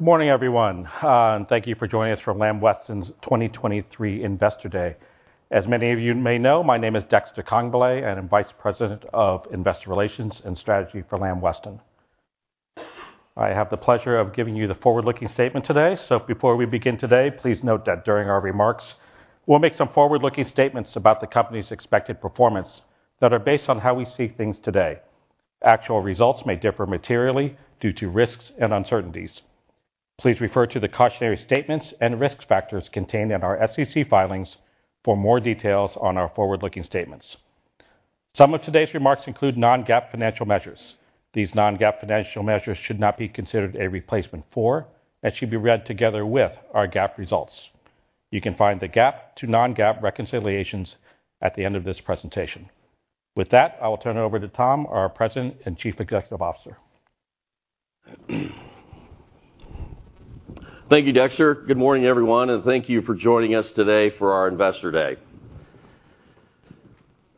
Good morning, everyone, and thank you for joining us for Lamb Weston's 2023 Investor Day. As many of you may know, my name is Dexter Congbalay, and I'm Vice President of Investor Relations and Strategy for Lamb Weston. I have the pleasure of giving you the forward-looking statement today. So before we begin today, please note that during our remarks, we'll make some forward-looking statements about the company's expected performance that are based on how we see things today. Actual results may differ materially due to risks and uncertainties. Please refer to the cautionary statements and risk factors contained in our SEC filings for more details on our forward-looking statements. Some of today's remarks include non-GAAP financial measures. These non-GAAP financial measures should not be considered a replacement for and should be read together with our GAAP results. You can find the GAAP to non-GAAP reconciliations at the end of this presentation. With that, I will turn it over to Tom, our President and Chief Executive Officer. Thank you, Dexter. Good morning, everyone, and thank you for joining us today for our Investor Day.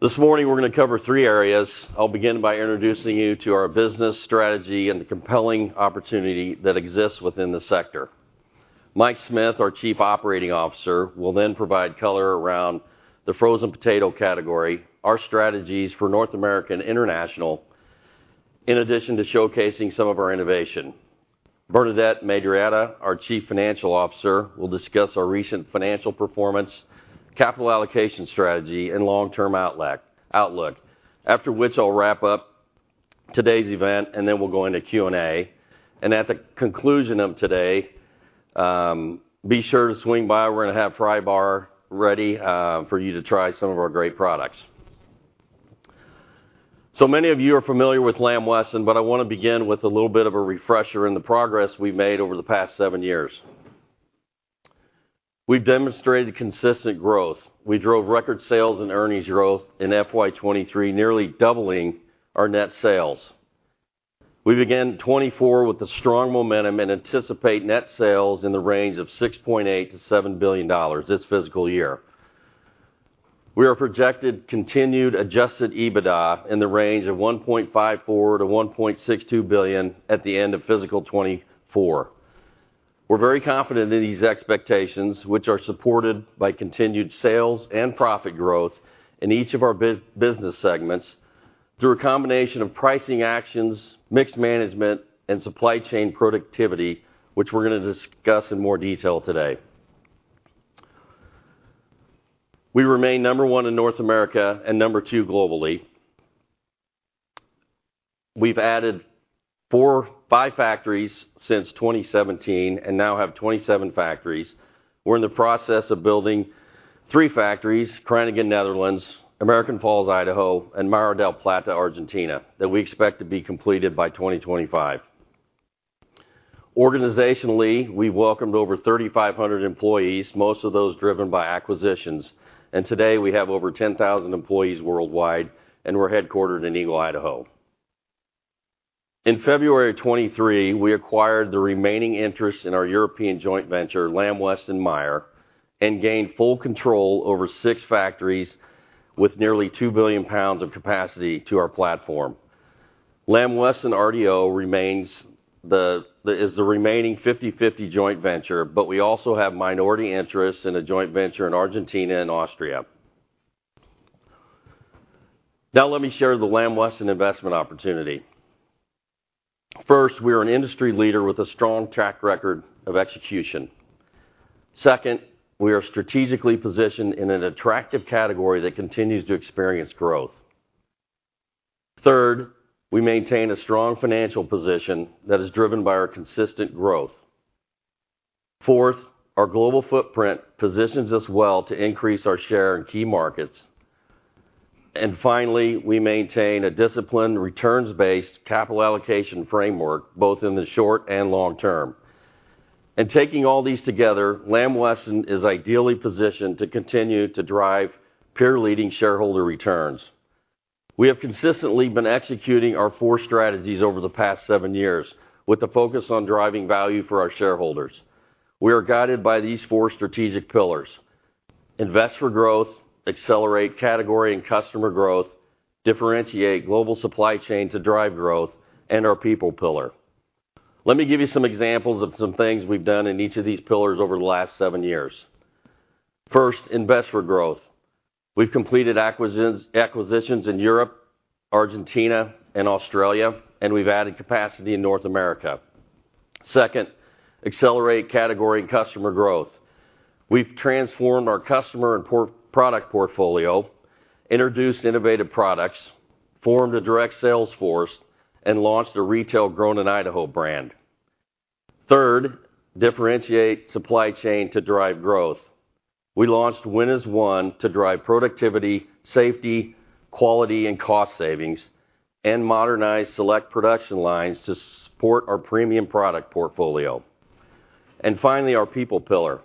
This morning, we're gonna cover three areas. I'll begin by introducing you to our business strategy and the compelling opportunity that exists within the sector. Mike Smith, our Chief Operating Officer, will then provide color around the frozen potato category, our strategies for North America and International, in addition to showcasing some of our innovation. Bernadette Madarieta, our Chief Financial Officer, will discuss our recent financial performance, capital allocation strategy, and long-term outlook. After which, I'll wrap up today's event, and then we'll go into Q&A. At the conclusion of today, be sure to swing by. We're gonna have fry bar ready for you to try some of our great products. So many of you are familiar with Lamb Weston, but I wanna begin with a little bit of a refresher in the progress we've made over the past seven years. We've demonstrated consistent growth. We drove record sales and earnings growth in FY 2023, nearly doubling our net sales. We began 2024 with a strong momentum and anticipate net sales in the range of $6.8 billion-$7 billion this fiscal year. We project continued adjusted EBITDA in the range of $1.54 billion-$1.62 billion at the end of fiscal 2024. We're very confident in these expectations, which are supported by continued sales and profit growth in each of our business segments, through a combination of pricing actions, mix management, and supply chain productivity, which we're gonna discuss in more detail today. We remain number one in North America and number two globally. We've added four, five factories since 2017 and now have 27 factories. We're in the process of building three factories: Kruiningen, Netherlands, American Falls, Idaho, and Mar del Plata, Argentina, that we expect to be completed by 2025. Organizationally, we've welcomed over 3,500 employees, most of those driven by acquisitions, and today we have over 10,000 employees worldwide, and we're headquartered in Eagle, Idaho. In February of 2023, we acquired the remaining interest in our European joint venture, Lamb Weston/Meijer, and gained full control over six factories with nearly 2 billion pounds of capacity to our platform. Lamb Weston RDO remains the remaining 50/50 joint venture, but we also have minority interests in a joint venture in Argentina and Austria. Now, let me share the Lamb Weston investment opportunity. First, we are an industry leader with a strong track record of execution. Second, we are strategically positioned in an attractive category that continues to experience growth. Third, we maintain a strong financial position that is driven by our consistent growth. Fourth, our global footprint positions us well to increase our share in key markets. And finally, we maintain a disciplined, returns-based capital allocation framework, both in the short and long term. And taking all these together, Lamb Weston is ideally positioned to continue to drive peer-leading shareholder returns. We have consistently been executing our four strategies over the past seven years, with a focus on driving value for our shareholders. We are guided by these four strategic pillars: Invest for growth, accelerate category and customer growth, differentiate global supply chain to drive growth, and our people pillar. Let me give you some examples of some things we've done in each of these pillars over the last seven years. First, invest for growth. We've completed acquisitions, acquisitions in Europe, Argentina, and Australia, and we've added capacity in North America. Second, accelerate category and customer growth. We've transformed our customer and product portfolio, introduced innovative products, formed a direct sales force, and launched a retail Grown in Idaho brand. Third, differentiate supply chain to drive growth. We launched Win as One to drive productivity, safety, quality, and cost savings, and modernized select production lines to support our premium product portfolio. Finally, our people pillar.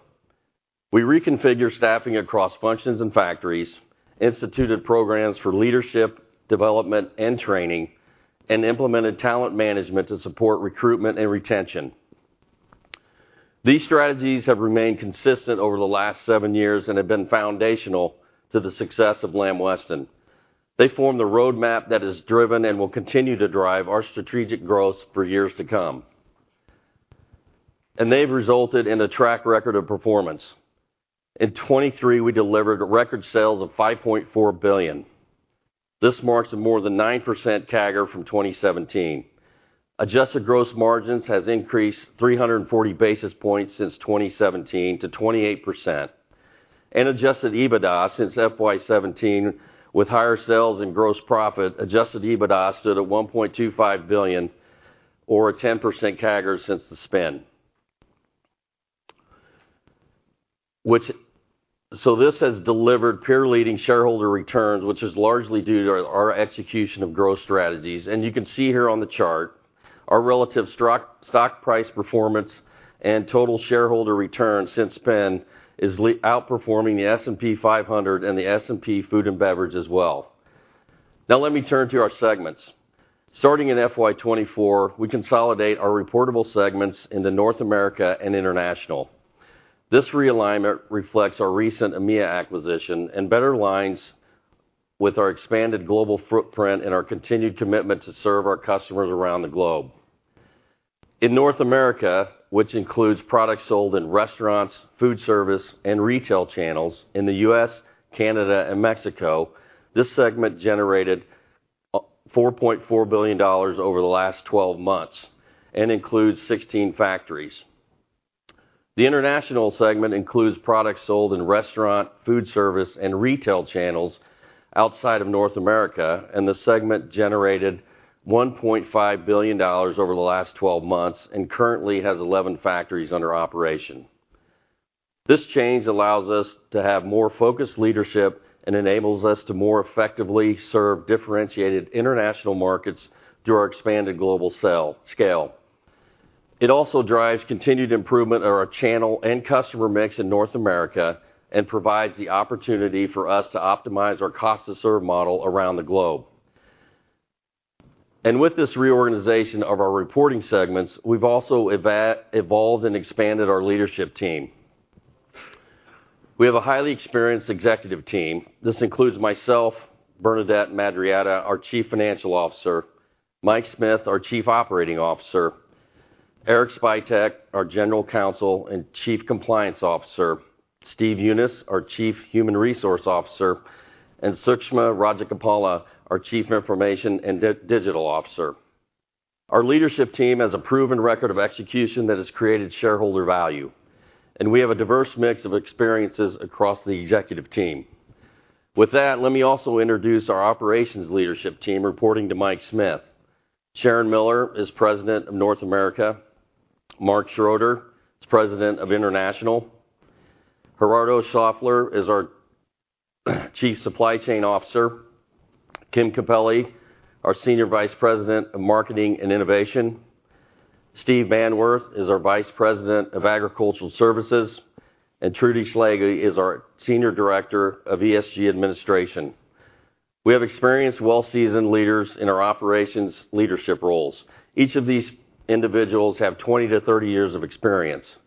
We reconfigure staffing across functions and factories, instituted programs for leadership, development, and training, and implemented talent management to support recruitment and retention. These strategies have remained consistent over the last seven years and have been foundational to the success of Lamb Weston. They form the roadmap that has driven and will continue to drive our strategic growth for years to come, and they've resulted in a track record of performance. In 2023, we delivered record sales of $5.4 billion. This marks a more than 9% CAGR from 2017. Adjusted gross margins has increased 340 basis points since 2017 to 28%. Adjusted EBITDA since FY 2017, with higher sales and gross profit, adjusted EBITDA stood at $1.25 billion, or a 10% CAGR since the spin. This has delivered peer-leading shareholder returns, which is largely due to our, our execution of growth strategies. You can see here on the chart, our relative stock, stock price performance and total shareholder returns since spin is le-- outperforming the S&P 500 and the S&P Food & Beverage as well. Now let me turn to our segments. Starting in FY 2024, we consolidate our reportable segments into North America and International. This realignment reflects our recent EMEA acquisition and better aligns with our expanded global footprint and our continued commitment to serve our customers around the globe. In North America, which includes products sold in restaurants, Foodservice, and retail channels in the U.S., Canada, and Mexico, this segment generated $4.4 billion over the last 12 months and includes 16 factories. The International segment includes products sold in restaurant, Foodservice, and retail channels outside of North America, and the segment generated $1.5 billion over the last 12 months, and currently has 11 factories under operation. This change allows us to have more focused leadership and enables us to more effectively serve differentiated international markets through our expanded global scale. It also drives continued improvement of our channel and customer mix in North America, and provides the opportunity for us to optimize our cost-to-serve model around the globe. With this reorganization of our reporting segments, we've also evolved and expanded our leadership team. We have a highly experienced executive team. This includes myself, Bernadette Madarieta, our Chief Financial Officer, Mike Smith, our Chief Operating Officer, Eryk Spytek, our General Counsel and Chief Compliance Officer, Steve Younes, our Chief Human Resource Officer, and Sukshma Rajagopalan, our Chief Information and Digital Officer. Our leadership team has a proven record of execution that has created shareholder value, and we have a diverse mix of experiences across the executive team. With that, let me also introduce our operations leadership team, reporting to Mike Smith. Sharon Miller is President of North America. Marc Schroeder is President of International. Gerardo Scheufler is our Chief Supply Chain Officer. Kim Cupelli, our Senior Vice President of Marketing and Innovation. Steve Bannworth is our Vice President of Agricultural Services, and Trudy Slagle is our Senior Director of ESG Administration. We have experienced, well-seasoned leaders in our operations leadership roles. Each of these individuals have 20-30 years of experience.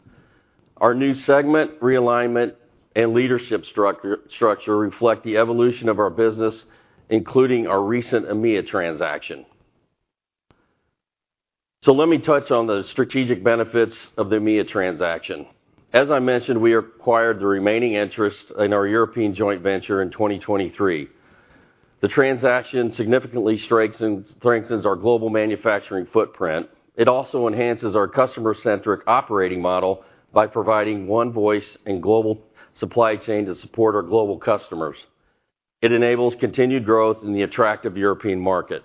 Our new segment realignment and leadership structure reflect the evolution of our business, including our recent EMEA transaction. So let me touch on the strategic benefits of the EMEA transaction. As I mentioned, we acquired the remaining interest in our European joint venture in 2023. The transaction significantly strengthens our global manufacturing footprint. It also enhances our customer-centric operating model by providing one voice in global supply chain to support our global customers. It enables continued growth in the attractive European market.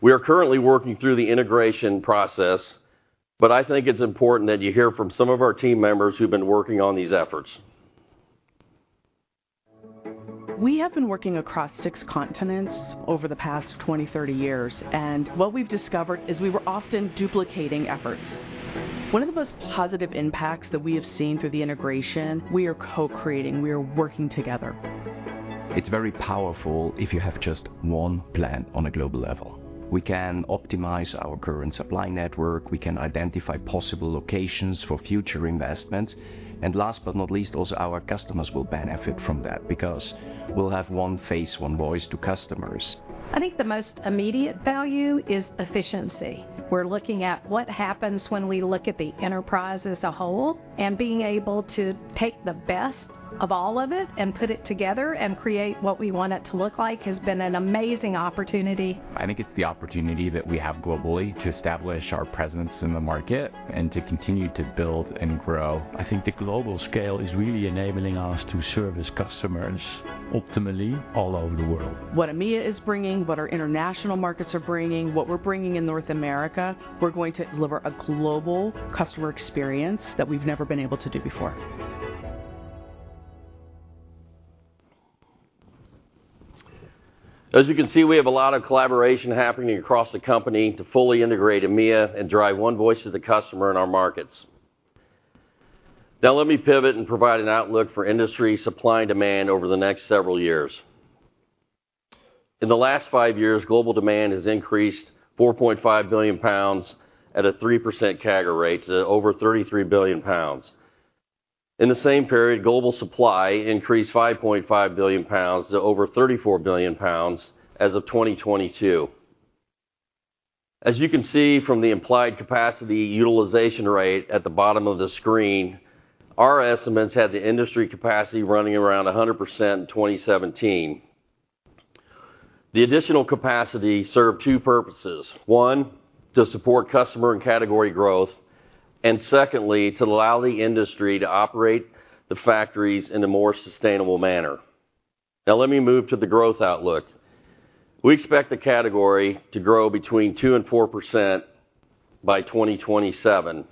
We are currently working through the integration process, but I think it's important that you hear from some of our team members who've been working on these efforts. We have been working across six continents over the past 20-30 years, and what we've discovered is we were often duplicating efforts. One of the most positive impacts that we have seen through the integration, we are co-creating, we are working together. It's very powerful if you have just one plan on a global level. We can optimize our current supply network, we can identify possible locations for future investments, and last but not least, also our customers will benefit from that because we'll have one face, one voice to customers. I think the most immediate value is efficiency. We're looking at what happens when we look at the enterprise as a whole, and being able to take the best of all of it and put it together and create what we want it to look like, has been an amazing opportunity. I think it's the opportunity that we have globally to establish our presence in the market and to continue to build and grow. I think the global scale is really enabling us to service customers optimally all over the world. What EMEA is bringing, what our international markets are bringing, what we're bringing in North America, we're going to deliver a global customer experience that we've never been able to do before. As you can see, we have a lot of collaboration happening across the company to fully integrate EMEA and drive one voice to the customer in our markets. Now, let me pivot and provide an outlook for industry supply and demand over the next several years. In the last five years, global demand has increased 4.5 billion pounds at a 3% CAGR rate to over 33 billion pounds. In the same period, global supply increased 5.5 billion pounds to over 34 billion pounds as of 2022. As you can see from the implied capacity utilization rate at the bottom of the screen, our estimates had the industry capacity running around 100% in 2017. The additional capacity served two purposes. One, to support customer and category growth, and secondly, to allow the industry to operate the factories in a more sustainable manner. Now let me move to the growth outlook. We expect the category to grow between 2%-4% by 2027.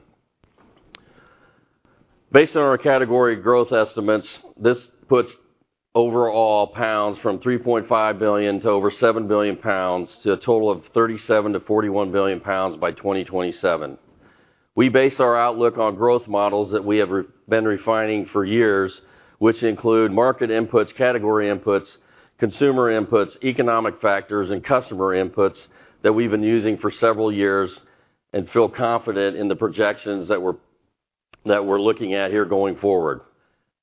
Based on our category growth estimates, this puts overall pounds from 3.5 billion to over 7 billion pounds, to a total of 37-41 billion pounds by 2027. We base our outlook on growth models that we have been refining for years, which include market inputs, category inputs, consumer inputs, economic factors, and customer inputs that we've been using for several years and feel confident in the projections that we're looking at here going forward.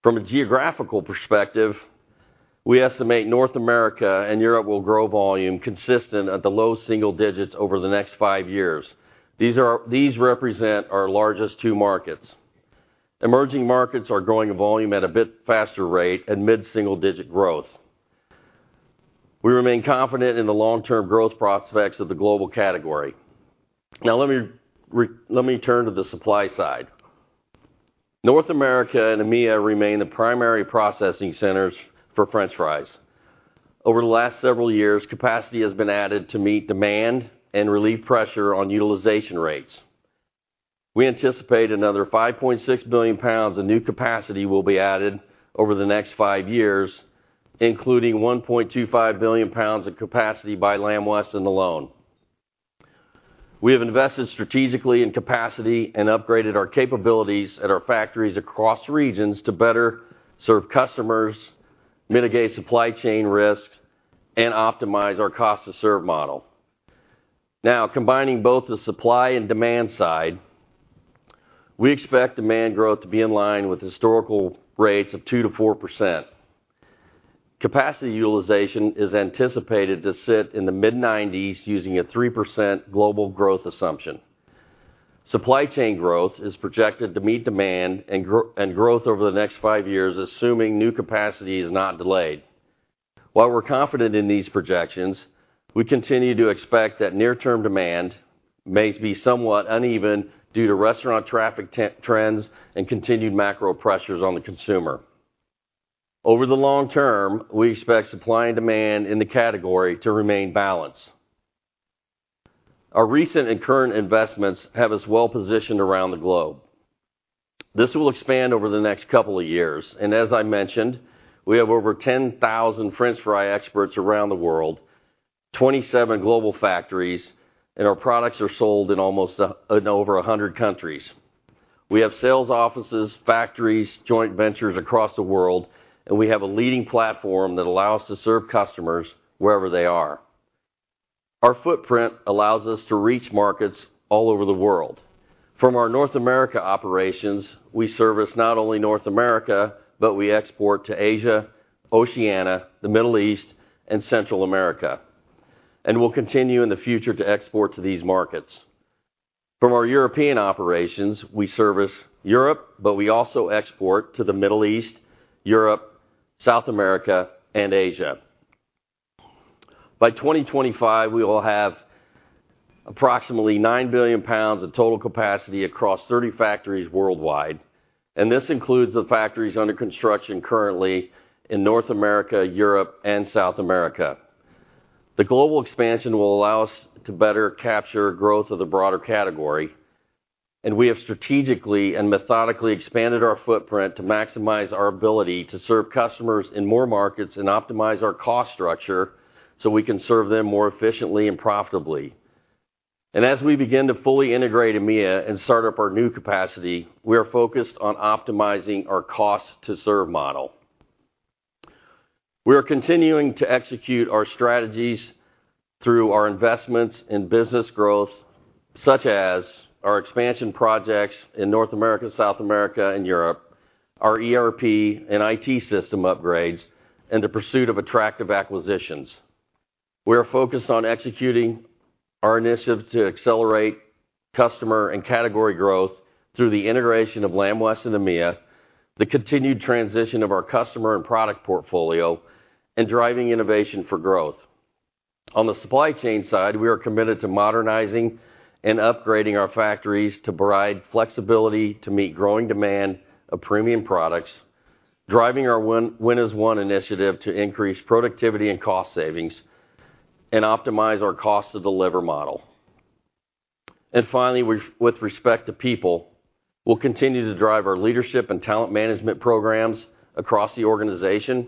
From a geographical perspective, we estimate North America and Europe will grow volume consistent at the low single-digit over the next five years. These represent our largest two markets. Emerging markets are growing volume at a bit faster rate at mid-single-digit growth. We remain confident in the long-term growth prospects of the global category. Now, let me turn to the supply side. North America and EMEA remain the primary processing centers for French fries. Over the last several years, capacity has been added to meet demand and relieve pressure on utilization rates. We anticipate another 5.6 billion pounds of new capacity will be added over the next five years, including 1.25 billion pounds of capacity by Lamb Weston alone. We have invested strategically in capacity and upgraded our capabilities at our factories across regions to better serve customers, mitigate supply chain risks, and optimize our cost-to-serve model. Now, combining both the supply and demand side, we expect demand growth to be in line with historical rates of 2%-4%. Capacity utilization is anticipated to sit in the mid-90s, using a 3% global growth assumption. Supply chain growth is projected to meet demand and growth over the next five years, assuming new capacity is not delayed. While we're confident in these projections, we continue to expect that near-term demand may be somewhat uneven due to restaurant traffic trends and continued macro pressures on the consumer. Over the long term, we expect supply and demand in the category to remain balanced. Our recent and current investments have us well positioned around the globe. This will expand over the next couple of years, and as I mentioned, we have over 10,000 French fry experts around the world, 27 global factories, and our products are sold in almost, in over 100 countries. We have sales offices, factories, joint ventures across the world, and we have a leading platform that allows us to serve customers wherever they are. Our footprint allows us to reach markets all over the world. From our North America operations, we service not only North America, but we export to Asia, Oceania, the Middle East, and Central America, and we'll continue in the future to export to these markets. From our European operations, we service Europe, but we also export to the Middle East, Europe, South America, and Asia. By 2025, we will have approximately 9 billion pounds of total capacity across 30 factories worldwide, and this includes the factories under construction currently in North America, Europe, and South America. The global expansion will allow us to better capture growth of the broader category, and we have strategically and methodically expanded our footprint to maximize our ability to serve customers in more markets and optimize our cost structure so we can serve them more efficiently and profitably. As we begin to fully integrate EMEA and start up our new capacity, we are focused on optimizing our cost-to-serve model. We are continuing to execute our strategies through our investments in business growth, such as our expansion projects in North America, South America, and Europe, our ERP and IT system upgrades, and the pursuit of attractive acquisitions. We are focused on executing our initiatives to accelerate customer and category growth through the integration of Lamb Weston EMEA, the continued transition of our customer and product portfolio, and driving innovation for growth. On the supply chain side, we are committed to modernizing and upgrading our factories to provide flexibility to meet growing demand of premium products, driving our Win as One initiative to increase productivity and cost savings, and optimize our cost-to-deliver model. And finally, with respect to people, we'll continue to drive our leadership and talent management programs across the organization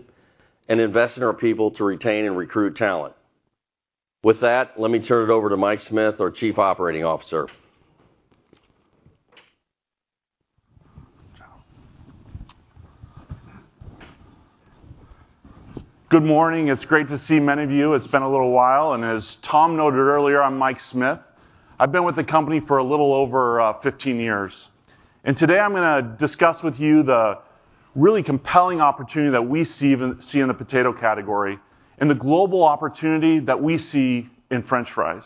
and invest in our people to retain and recruit talent. With that, let me turn it over to Mike Smith, our Chief Operating Officer.... Good morning. It's great to see many of you. It's been a little while, and as Tom noted earlier, I'm Mike Smith. I've been with the company for a little over 15 years. And today I'm gonna discuss with you the really compelling opportunity that we see in, see in the potato category, and the global opportunity that we see in French fries.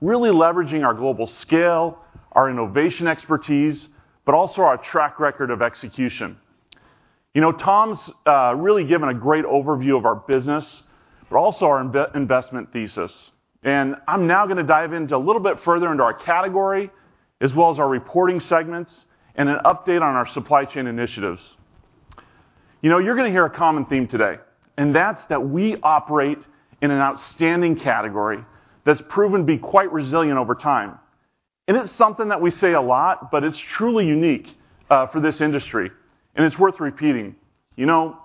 Really leveraging our global scale, our innovation expertise, but also our track record of execution. You know, Tom's really given a great overview of our business, but also our investment thesis. And I'm now gonna dive into a little bit further into our category, as well as our reporting segments, and an update on our supply chain initiatives. You know, you're gonna hear a common theme today, and that's that we operate in an outstanding category that's proven to be quite resilient over time. And it's something that we say a lot, but it's truly unique for this industry, and it's worth repeating. You know,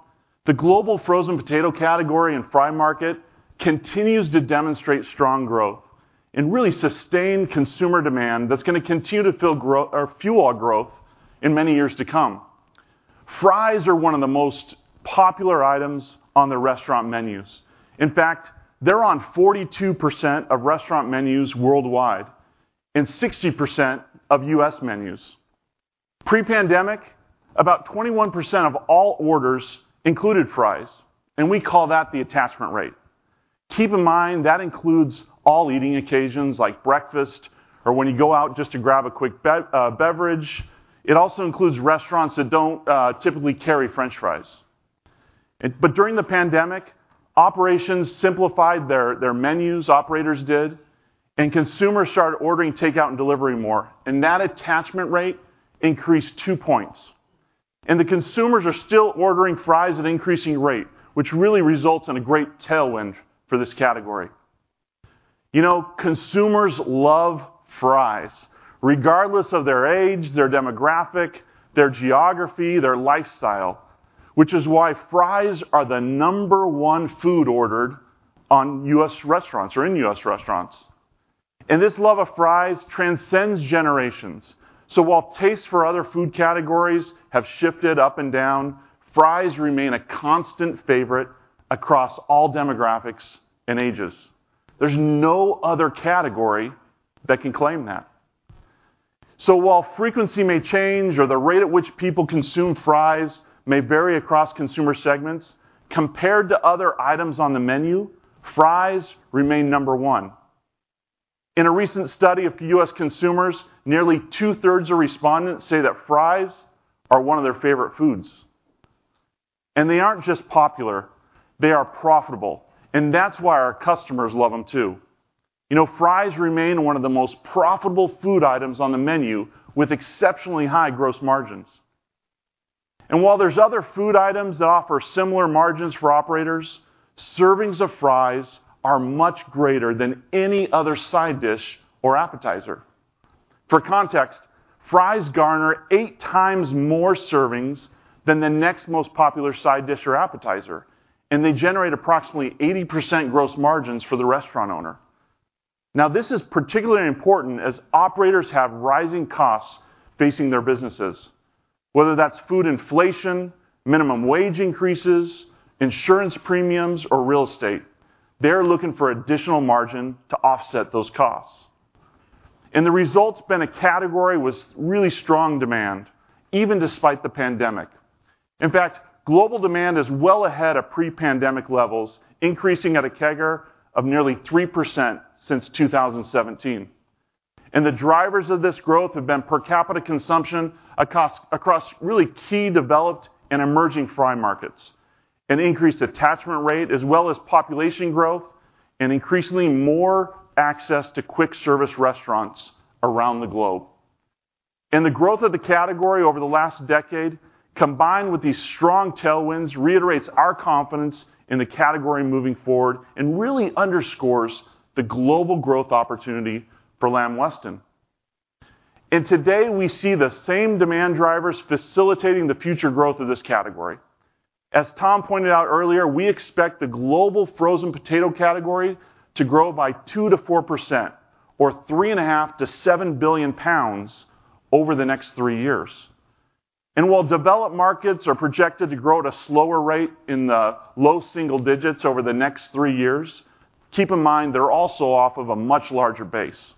the global frozen potato category and fry market continues to demonstrate strong growth and really sustained consumer demand that's gonna continue to fuel our growth in many years to come. Fries are one of the most popular items on the restaurant menus. In fact, they're on 42% of restaurant menus worldwide, and 60% of U.S. menus. Pre-pandemic, about 21% of all orders included fries, and we call that the attachment rate. Keep in mind, that includes all eating occasions, like breakfast, or when you go out just to grab a quick beverage. It also includes restaurants that don't typically carry French fries. During the pandemic, operations simplified their menus, operators did, and consumers started ordering takeout and delivery more, and that attachment rate increased 2 points. The consumers are still ordering fries at an increasing rate, which really results in a great tailwind for this category. You know, consumers love fries, regardless of their age, their demographic, their geography, their lifestyle, which is why fries are the number one food ordered on U.S. restaurants or in U.S. restaurants. This love of fries transcends generations. While tastes for other food categories have shifted up and down, fries remain a constant favorite across all demographics and ages. There's no other category that can claim that. So while frequency may change or the rate at which people consume fries may vary across consumer segments, compared to other items on the menu, fries remain number one. In a recent study of U.S. consumers, nearly 2/3 of respondents say that fries are one of their favorite foods. And they aren't just popular, they are profitable, and that's why our customers love them, too. You know, fries remain one of the most profitable food items on the menu, with exceptionally high gross margins. And while there's other food items that offer similar margins for operators, servings of fries are much greater than any other side dish or appetizer. For context, fries garner 8x more servings than the next most popular side dish or appetizer, and they generate approximately 80% gross margins for the restaurant owner. Now, this is particularly important as operators have rising costs facing their businesses. Whether that's food inflation, minimum wage increases, insurance premiums, or real estate, they're looking for additional margin to offset those costs. The result's been a category with really strong demand, even despite the pandemic. In fact, global demand is well ahead of pre-pandemic levels, increasing at a CAGR of nearly 3% since 2017. The drivers of this growth have been per capita consumption across really key developed and emerging fry markets, an increased attachment rate, as well as population growth and increasingly more access to quick service restaurants around the globe. The growth of the category over the last decade, combined with these strong tailwinds, reiterates our confidence in the category moving forward and really underscores the global growth opportunity for Lamb Weston. Today, we see the same demand drivers facilitating the future growth of this category. As Tom pointed out earlier, we expect the global frozen potato category to grow by 2%-4% or 3.5-7 billion pounds over the next three years. While developed markets are projected to grow at a slower rate in the low single-digit over the next three years, keep in mind, they're also off of a much larger base.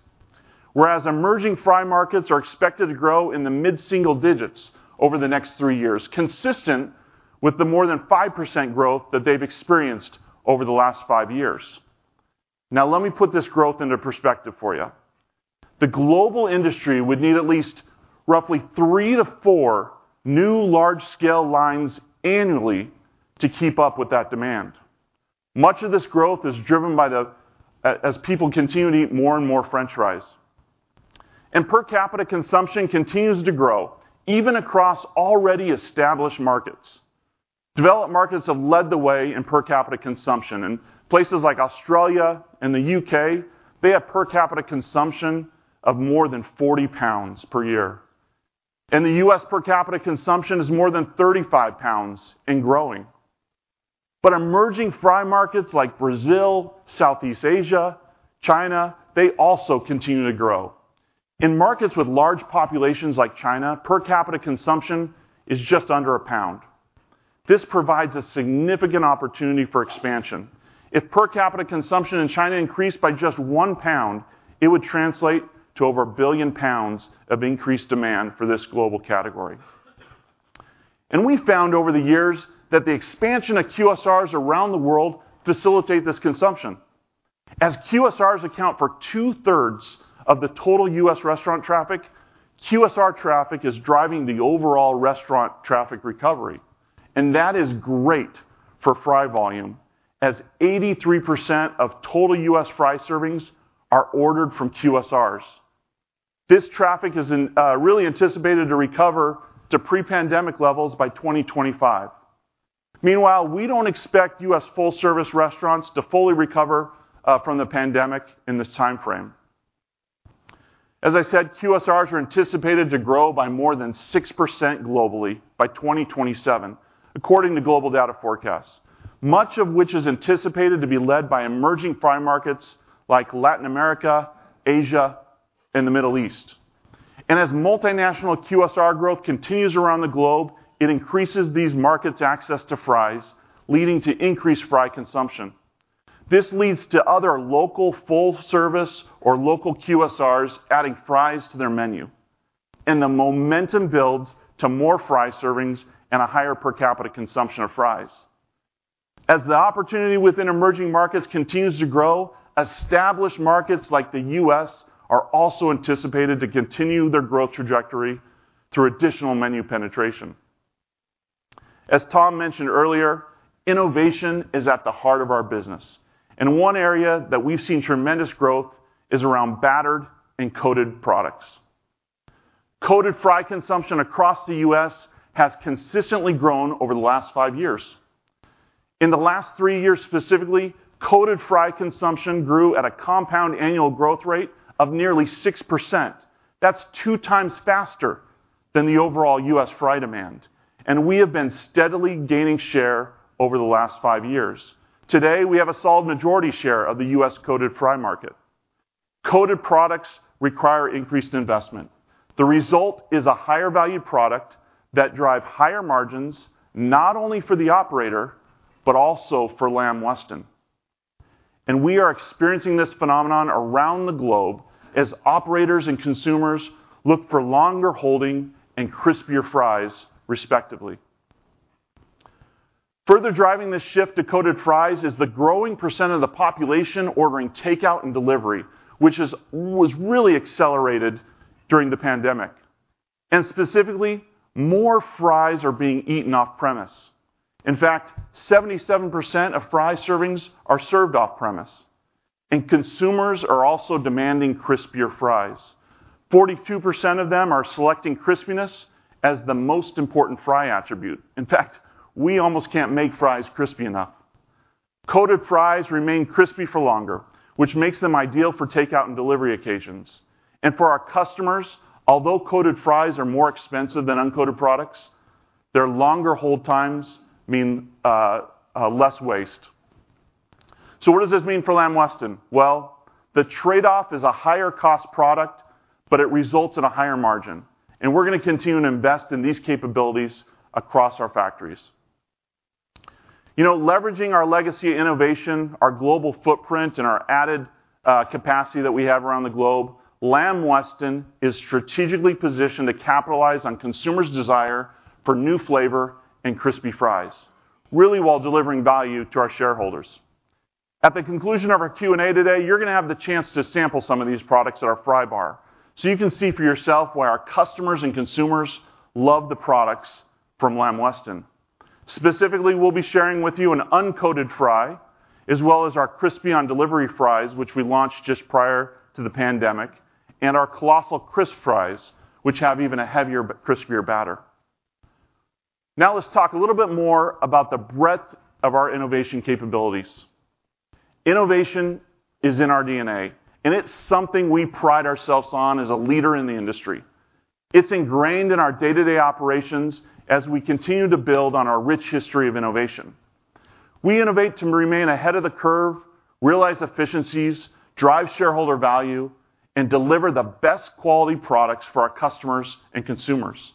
Whereas emerging fry markets are expected to grow in the mid single-digit over the next three years, consistent with the more than 5% growth that they've experienced over the last five years. Now, let me put this growth into perspective for you. The global industry would need at least roughly three to four new large-scale lines annually to keep up with that demand. Much of this growth is driven by as people continue to eat more and more French fries. Per capita consumption continues to grow, even across already established markets. Developed markets have led the way in per capita consumption. In places like Australia and the U.K., they have per capita consumption of more than 40 pounds per year. In the U.S., per capita consumption is more than 35 pounds and growing. But emerging fry markets like Brazil, Southeast Asia, China, they also continue to grow. In markets with large populations like China, per capita consumption is just under one pound. This provides a significant opportunity for expansion. If per capita consumption in China increased by just one pound, it would translate to over 1 billion pounds of increased demand for this global category. We found over the years that the expansion of QSRs around the world facilitate this consumption. As QSRs account for 2/3 of the total U.S. restaurant traffic, QSR traffic is driving the overall restaurant traffic recovery, and that is great for fry volume, as 83% of total U.S. fry servings are ordered from QSRs. This traffic is really anticipated to recover to pre-pandemic levels by 2025. Meanwhile, we don't expect U.S. full-service restaurants to fully recover from the pandemic in this timeframe. As I said, QSRs are anticipated to grow by more than 6% globally by 2027, according to GlobalData forecasts, much of which is anticipated to be led by emerging fry markets like Latin America, Asia, and the Middle East. As multinational QSR growth continues around the globe, it increases these markets' access to fries, leading to increased fry consumption. This leads to other local full-service or local QSRs adding fries to their menu. The momentum builds to more fry servings and a higher per capita consumption of fries. As the opportunity within emerging markets continues to grow, established markets like the U.S. are also anticipated to continue their growth trajectory through additional menu penetration. As Tom mentioned earlier, innovation is at the heart of our business, and one area that we've seen tremendous growth is around battered and coated products. Coated fry consumption across the U.S. has consistently grown over the last five years. In the last three years, specifically, coated fry consumption grew at a compound annual growth rate of nearly 6%. That's 2x faster than the overall U.S. fry demand, and we have been steadily gaining share over the last five years. Today, we have a solid majority share of the U.S. coated fry market. Coated products require increased investment. The result is a higher value product that drive higher margins, not only for the operator, but also for Lamb Weston. We are experiencing this phenomenon around the globe as operators and consumers look for longer holding and crispier fries, respectively. Further driving this shift to coated fries is the growing percent of the population ordering takeout and delivery, which was really accelerated during the pandemic, and specifically, more fries are being eaten off-premise. In fact, 77% of fry servings are served off-premise, and consumers are also demanding crispier fries. 42% of them are selecting crispiness as the most important fry attribute. In fact, we almost can't make fries crispy enough. Coated fries remain crispy for longer, which makes them ideal for takeout and delivery occasions. And for our customers, although coated fries are more expensive than uncoated products, their longer hold times mean less waste. So what does this mean for Lamb Weston? Well, the trade-off is a higher cost product, but it results in a higher margin, and we're gonna continue to invest in these capabilities across our factories. You know, leveraging our legacy of innovation, our global footprint, and our added capacity that we have around the globe, Lamb Weston is strategically positioned to capitalize on consumers' desire for new flavor and crispy fries, really while delivering value to our shareholders. At the conclusion of our Q&A today, you're gonna have the chance to sample some of these products at our fry bar, so you can see for yourself why our customers and consumers love the products from Lamb Weston. Specifically, we'll be sharing with you an uncoated fry, as well as our Crispy on Delivery fries, which we launched just prior to the pandemic, and our Colossal Crisp fries, which have even a heavier but crispier batter. Now, let's talk a little bit more about the breadth of our innovation capabilities. Innovation is in our D&A, and it's something we pride ourselves on as a leader in the industry. It's ingrained in our day-to-day operations as we continue to build on our rich history of innovation. We innovate to remain ahead of the curve, realize efficiencies, drive shareholder value, and deliver the best quality products for our customers and consumers.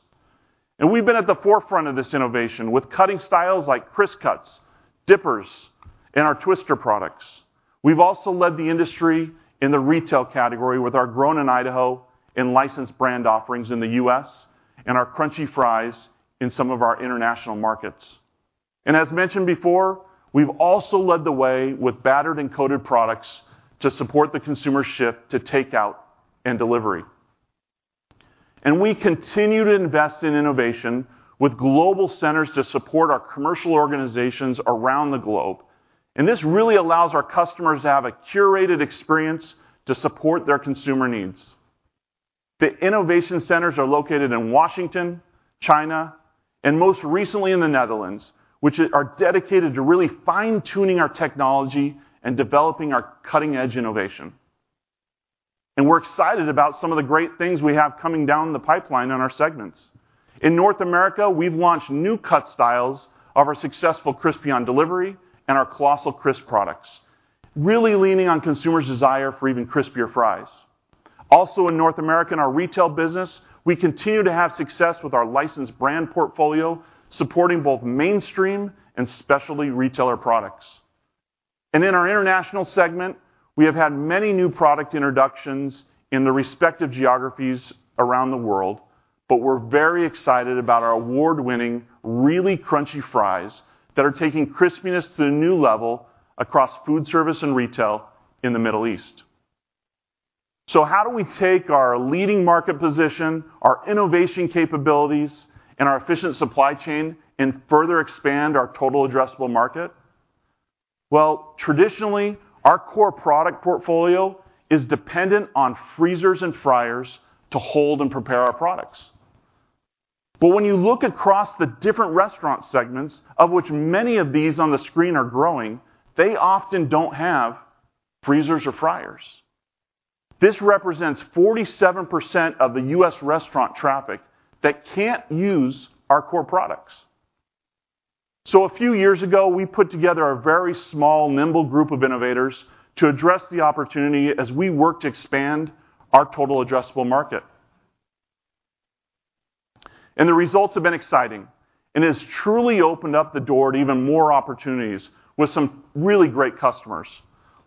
We've been at the forefront of this innovation with cutting styles like CrissCut, Dippers, and our Twister products. We've also led the industry in the retail category with our Grown in Idaho and licensed brand offerings in the U.S. and our crunchy fries in some of our international markets. As mentioned before, we've also led the way with battered and coated products to support the consumer shift to takeout and delivery. We continue to invest in innovation with global centers to support our commercial organizations around the globe, and this really allows our customers to have a curated experience to support their consumer needs. The innovation centers are located in Washington, China, and most recently in the Netherlands, which are dedicated to really fine-tuning our technology and developing our cutting-edge innovation... We're excited about some of the great things we have coming down the pipeline in our segments. In North America, we've launched new cut styles of our successful Crispy on Delivery and our Colossal Crisp products, really leaning on consumers' desire for even crispier fries. Also, in North America, in our retail business, we continue to have success with our licensed brand portfolio, supporting both mainstream and specialty retailer products. In our international segment, we have had many new product introductions in the respective geographies around the world, but we're very excited about our award-winning, really crunchy fries that are taking crispiness to a new level across Foodservice and retail in the Middle East. How do we take our leading market position, our innovation capabilities, and our efficient supply chain, and further expand our total addressable market? Well, traditionally, our core product portfolio is dependent on freezers and fryers to hold and prepare our products. But when you look across the different restaurant segments, of which many of these on the screen are growing, they often don't have freezers or fryers. This represents 47% of the U.S. restaurant traffic that can't use our core products. So a few years ago, we put together a very small, nimble group of innovators to address the opportunity as we work to expand our total addressable market. And the results have been exciting, and it has truly opened up the door to even more opportunities with some really great customers.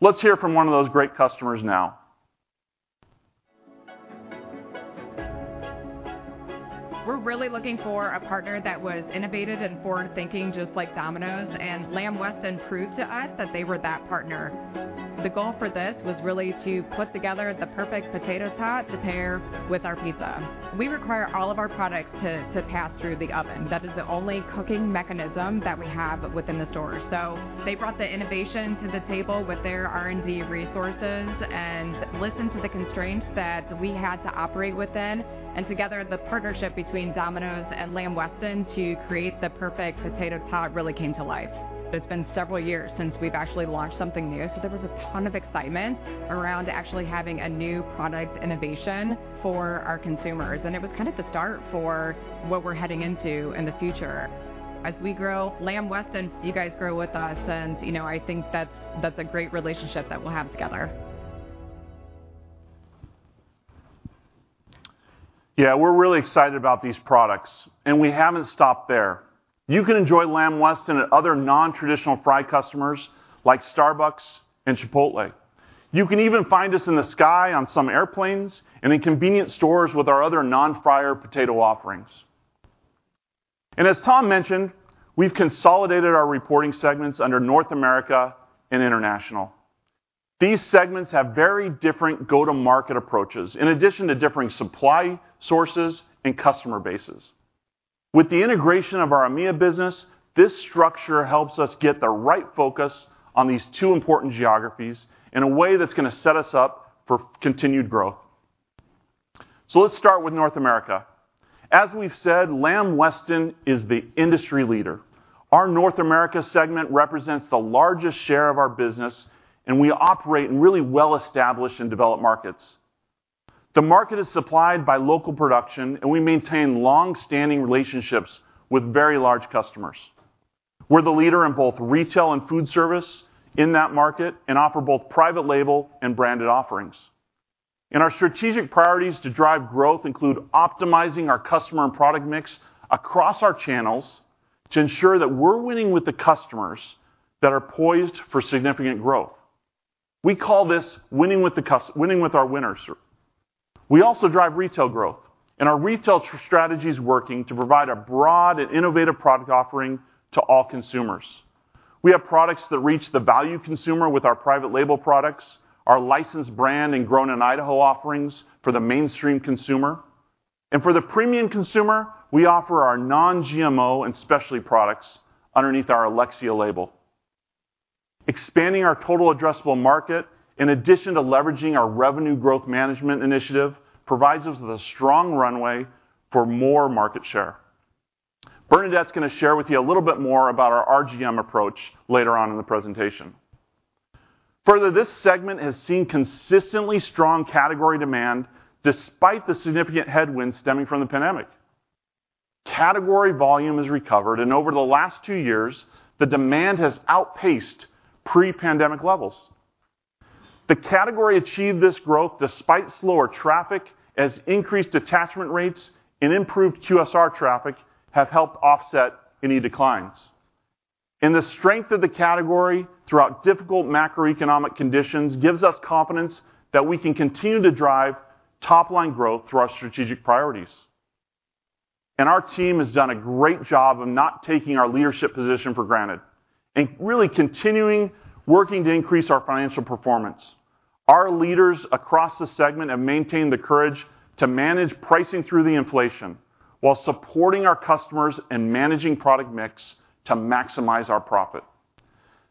Let's hear from one of those great customers now. We're really looking for a partner that was innovative and forward-thinking, just like Domino's, and Lamb Weston proved to us that they were that partner. The goal for this was really to put together the perfect potato tot to pair with our pizza. We require all of our products to pass through the oven. That is the only cooking mechanism that we have within the store. So they brought the innovation to the table with their R&D resources and listened to the constraints that we had to operate within. And together, the partnership between Domino's and Lamb Weston to create the perfect potato tot really came to life. It's been several years since we've actually launched something new, so there was a ton of excitement around actually having a new product innovation for our consumers, and it was kind of the start for what we're heading into in the future. As we grow, Lamb Weston, you guys grow with us, and, you know, I think that's, that's a great relationship that we'll have together. Yeah, we're really excited about these products, and we haven't stopped there. You can enjoy Lamb Weston at other non-traditional fry customers, like Starbucks and Chipotle. You can even find us in the sky on some airplanes and in convenience stores with our other non-fryer potato offerings. And as Tom mentioned, we've consolidated our reporting segments under North America and International. These segments have very different go-to-market approaches, in addition to differing supply sources and customer bases. With the integration of our EMEA business, this structure helps us get the right focus on these two important geographies in a way that's gonna set us up for continued growth. So let's start with North America. As we've said, Lamb Weston is the industry leader. Our North America segment represents the largest share of our business, and we operate in really well-established and developed markets. The market is supplied by local production, and we maintain long-standing relationships with very large customers. We're the leader in both retail and Foodservice in that market and offer both private label and branded offerings. Our strategic priorities to drive growth include optimizing our customer and product mix across our channels to ensure that we're winning with the customers that are poised for significant growth. We call this winning with our winners. We also drive retail growth, and our retail strategy is working to provide a broad and innovative product offering to all consumers. We have products that reach the value consumer with our private label products, our licensed brand, and Grown in Idaho offerings for the mainstream consumer. For the premium consumer, we offer our non-GMO and specialty products underneath our Alexia label. Expanding our total addressable market, in addition to leveraging our revenue growth management initiative, provides us with a strong runway for more market share. Bernadette's gonna share with you a little bit more about our RGM approach later on in the presentation. Further, this segment has seen consistently strong category demand, despite the significant headwinds stemming from the pandemic. Category volume has recovered, and over the last two years, the demand has outpaced pre-pandemic levels. The category achieved this growth despite slower traffic, as increased attachment rates and improved QSR traffic have helped offset any declines. The strength of the category throughout difficult macroeconomic conditions gives us confidence that we can continue to drive top-line growth through our strategic priorities. Our team has done a great job of not taking our leadership position for granted and really continuing working to increase our financial performance. Our leaders across the segment have maintained the courage to manage pricing through the inflation while supporting our customers and managing product mix to maximize our profit.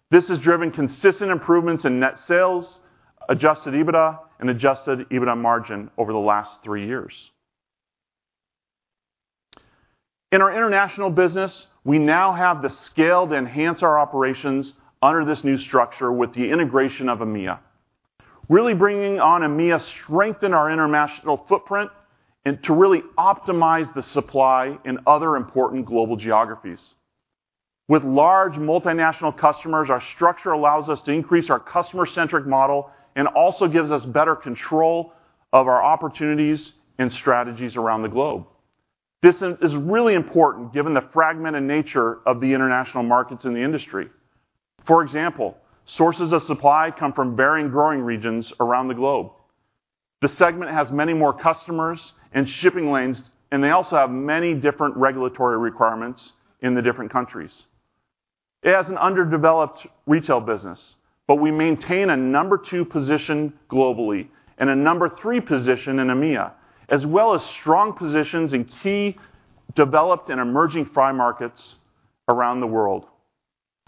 This has driven consistent improvements in net sales, adjusted EBITDA, and adjusted EBITDA margin over the last three years. In our international business, we now have the scale to enhance our operations under this new structure with the integration of EMEA. Really bringing on EMEA strengthened our international footprint and to really optimize the supply in other important global geographies. With large multinational customers, our structure allows us to increase our customer-centric model and also gives us better control of our opportunities and strategies around the globe. This is really important given the fragmented nature of the international markets in the industry. For example, sources of supply come from varying growing regions around the globe. The segment has many more customers and shipping lanes, and they also have many different regulatory requirements in the different countries. It has an underdeveloped retail business, but we maintain a number two position globally and a number three position in EMEA, as well as strong positions in key developed and emerging fry markets around the world.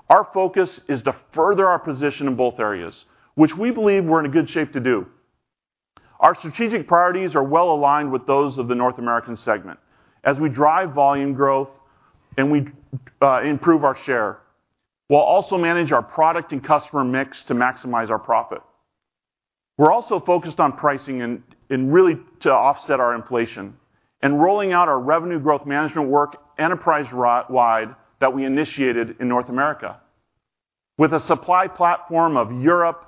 Our focus is to further our position in both areas, which we believe we're in a good shape to do. Our strategic priorities are well aligned with those of the North American segment. As we drive volume growth and we improve our share, we'll also manage our product and customer mix to maximize our profit. We're also focused on pricing and, and really to offset our inflation and rolling out our revenue growth management work enterprise-wide that we initiated in North America. With a supply platform of Europe,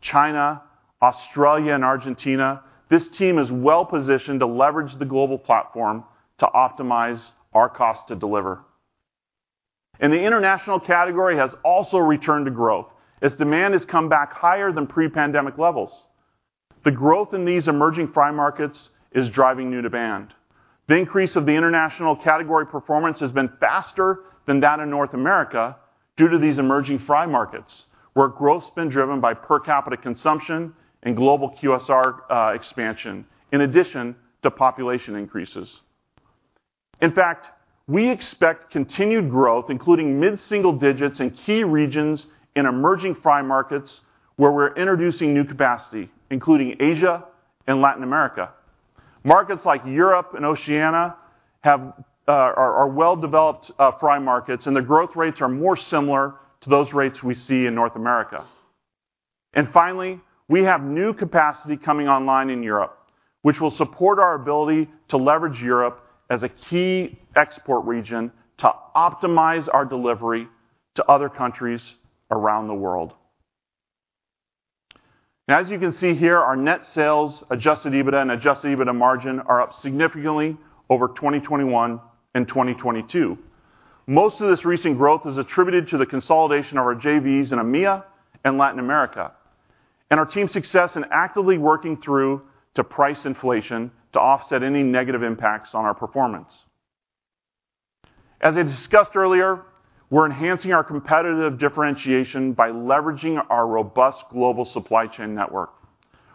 China, Australia, and Argentina, this team is well-positioned to leverage the global platform to optimize our cost to deliver. The international category has also returned to growth as demand has come back higher than pre-pandemic levels. The growth in these emerging fry markets is driving new demand. The increase of the international category performance has been faster than that in North America due to these emerging fry markets, where growth's been driven by per capita consumption and global QSR expansion, in addition to population increases. In fact, we expect continued growth, including mid single-digit in key regions in emerging fry markets where we're introducing new capacity, including Asia and Latin America. Markets like Europe and Oceania are well-developed fry markets, and the growth rates are more similar to those rates we see in North America. And finally, we have new capacity coming online in Europe, which will support our ability to leverage Europe as a key export region to optimize our delivery to other countries around the world. Now, as you can see here, our net sales, adjusted EBITDA and adjusted EBITDA margin are up significantly over 2021 and 2022. Most of this recent growth is attributed to the consolidation of our JVs in EMEA and Latin America, and our team's success in actively working through to price inflation to offset any negative impacts on our performance. As I discussed earlier, we're enhancing our competitive differentiation by leveraging our robust global supply chain network.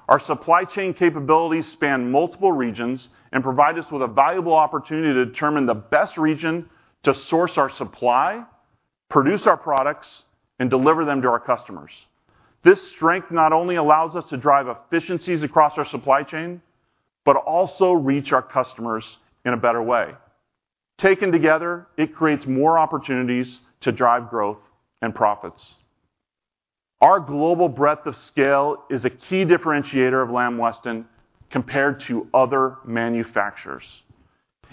Our supply chain capabilities span multiple regions and provide us with a valuable opportunity to determine the best region to source our supply, produce our products, and deliver them to our customers. This strength not only allows us to drive efficiencies across our supply chain, but also reach our customers in a better way. Taken together, it creates more opportunities to drive growth and profits. Our global breadth of scale is a key differentiator of Lamb Weston compared to other manufacturers.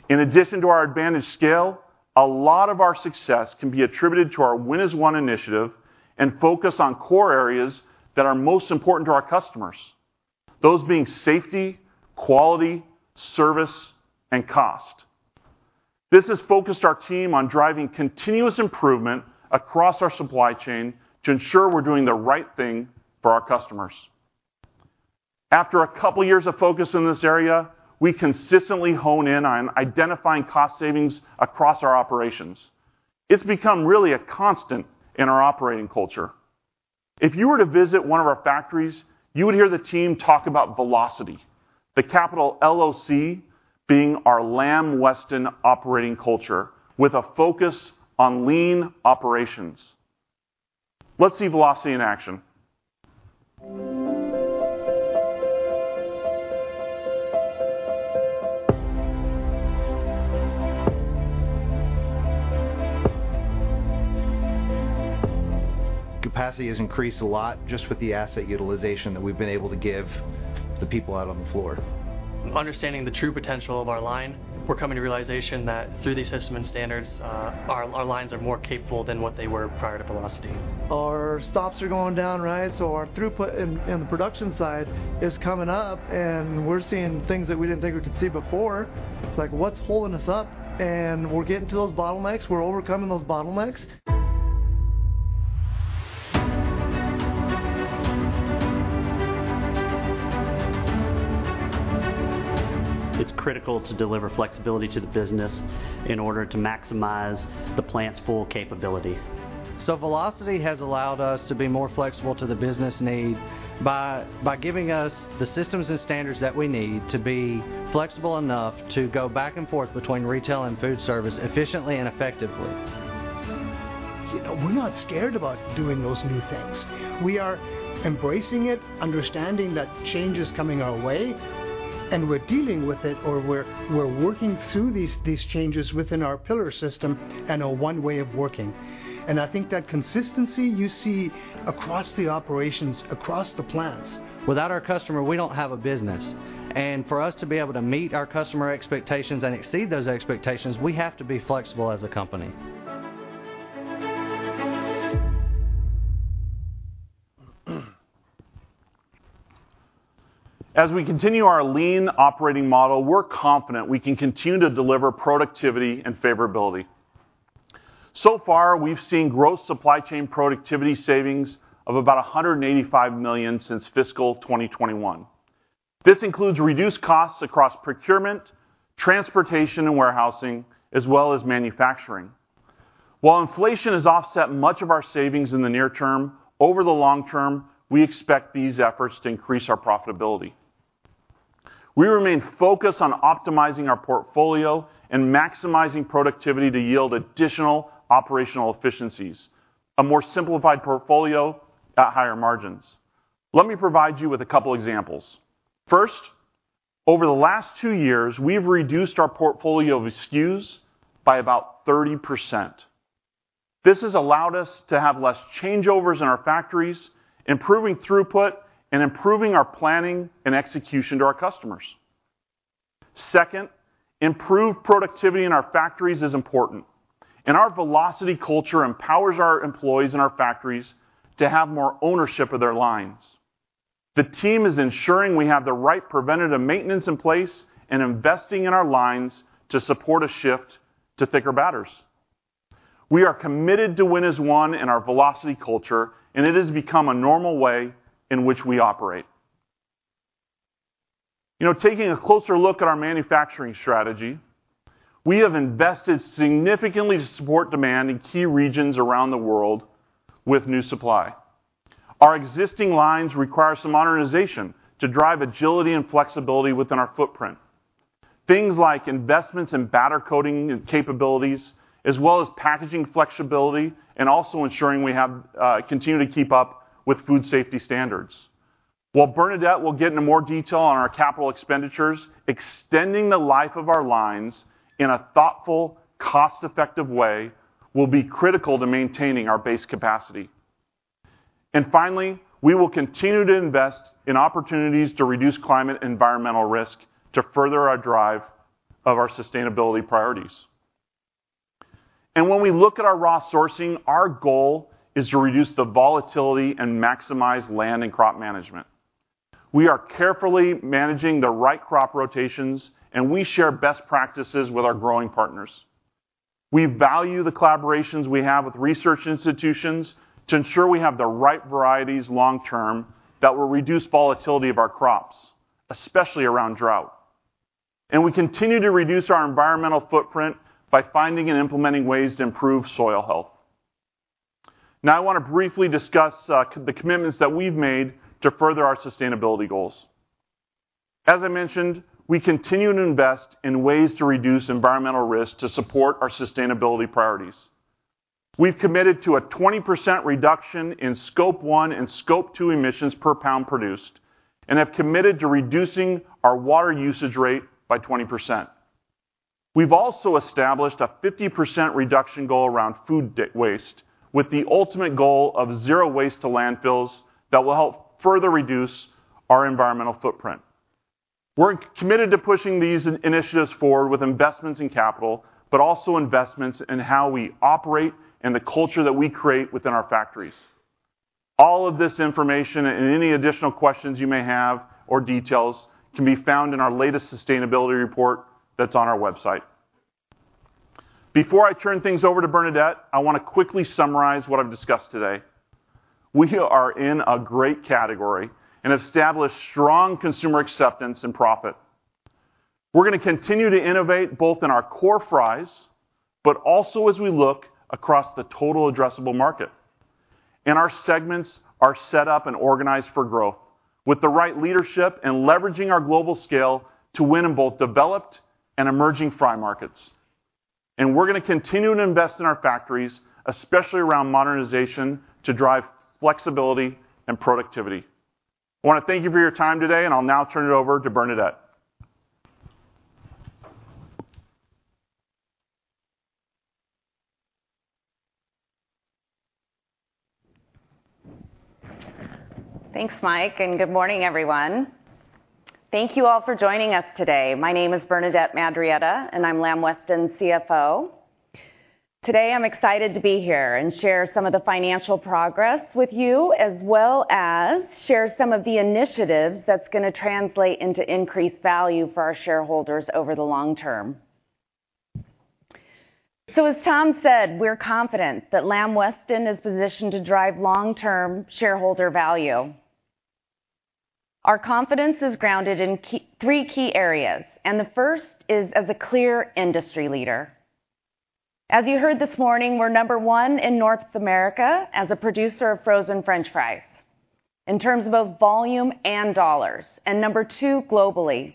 In addition to our advantage scale, a lot of our success can be attributed to our Win as One initiative and focus on core areas that are most important to our customers, those being safety, quality, service, and cost. This has focused our team on driving continuous improvement across our supply chain to ensure we're doing the right thing for our customers. After a couple of years of focus in this area, we consistently hone in on identifying cost savings across our operations. It's become really a constant in our operating culture. If you were to visit one of our factories, you would hear the team talk about VeLOCity, the capital LOC being our Lamb Weston operating culture with a focus on lean operations. Let's see VeLOCity in action. Capacity has increased a lot just with the asset utilization that we've been able to give the people out on the floor. Understanding the true potential of our line, we're coming to realization that through the system and standards, our lines are more capable than what they were prior to VeLOCity. Our stops are going down, right? So our throughput in the production side is coming up, and we're seeing things that we didn't think we could see before. It's like, what's holding us up? And we're getting to those bottlenecks. We're overcoming those bottlenecks. It's critical to deliver flexibility to the business in order to maximize the plant's full capability. VeLOCity has allowed us to be more flexible to the business need by giving us the systems and standards that we need to be flexible enough to go back and forth between retail and Foodservice efficiently and effectively. You know, we're not scared about doing those new things. We are embracing it, understanding that change is coming our way, and we're dealing with it or we're working through these changes within our pillar system and our one way of working. And I think that consistency you see across the operations, across the plants. Without our customer, we don't have a business, and for us to be able to meet our customer expectations and exceed those expectations, we have to be flexible as a company. As we continue our lean operating model, we're confident we can continue to deliver productivity and favorability. So far, we've seen gross supply chain productivity savings of about $185 million since fiscal 2021. This includes reduced costs across procurement, transportation, and warehousing, as well as manufacturing. While inflation has offset much of our savings in the near term, over the long term, we expect these efforts to increase our profitability. We remain focused on optimizing our portfolio and maximizing productivity to yield additional operational efficiencies, a more simplified portfolio at higher margins. Let me provide you with a couple examples. First, over the last two years, we've reduced our portfolio of SKUs by about 30%. This has allowed us to have less changeovers in our factories, improving throughput and improving our planning and execution to our customers. Second, improved productivity in our factories is important, and our VeLOCity culture empowers our employees and our factories to have more ownership of their lines. The team is ensuring we have the right preventative maintenance in place and investing in our lines to support a shift to thicker batters. We are committed to Win as One in our VeLOCity culture, and it has become a normal way in which we operate. You know, taking a closer look at our manufacturing strategy, we have invested significantly to support demand in key regions around the world with new supply. Our existing lines require some modernization to drive agility and flexibility within our footprint. Things like investments in batter coating and capabilities, as well as packaging flexibility, and also ensuring we have continue to keep up with food safety standards. While Bernadette will get into more detail on our capital expenditures, extending the life of our lines in a thoughtful, cost-effective way will be critical to maintaining our base capacity. Finally, we will continue to invest in opportunities to reduce climate and environmental risk to further our drive of our sustainability priorities. When we look at our raw sourcing, our goal is to reduce the volatility and maximize land and crop management. We are carefully managing the right crop rotations, and we share best practices with our growing partners. We value the collaborations we have with research institutions to ensure we have the right varieties long term that will reduce volatility of our crops, especially around drought. We continue to reduce our environmental footprint by finding and implementing ways to improve soil health. Now, I want to briefly discuss the commitments that we've made to further our sustainability goals. As I mentioned, we continue to invest in ways to reduce environmental risk to support our sustainability priorities. We've committed to a 20% reduction in Scope 1 and Scope 2 emissions per pound produced and have committed to reducing our water usage rate by 20%. We've also established a 50% reduction goal around food waste, with the ultimate goal of zero waste to landfills that will help further reduce our environmental footprint. We're committed to pushing these initiatives forward with investments in capital, but also investments in how we operate and the culture that we create within our factories. All of this information and any additional questions you may have or details can be found in our latest sustainability report that's on our website. Before I turn things over to Bernadette, I want to quickly summarize what I've discussed today. We are in a great category and established strong consumer acceptance and profit. We're gonna continue to innovate, both in our core fries, but also as we look across the total addressable market. Our segments are set up and organized for growth, with the right leadership and leveraging our global scale to win in both developed and emerging fry markets. We're gonna continue to invest in our factories, especially around modernization, to drive flexibility and productivity. I wanna thank you for your time today, and I'll now turn it over to Bernadette. Thanks, Mike, and good morning, everyone. Thank you all for joining us today. My name is Bernadette Madarieta, and I'm Lamb Weston's CFO. Today, I'm excited to be here and share some of the financial progress with you, as well as share some of the initiatives that's gonna translate into increased value for our shareholders over the long term. As Tom said, we're confident that Lamb Weston is positioned to drive long-term shareholder value. Our confidence is grounded in three key areas, and the first is as a clear industry leader. As you heard this morning, we're number one in North America as a producer of frozen French fries in terms of both volume and dollars, and number two, globally.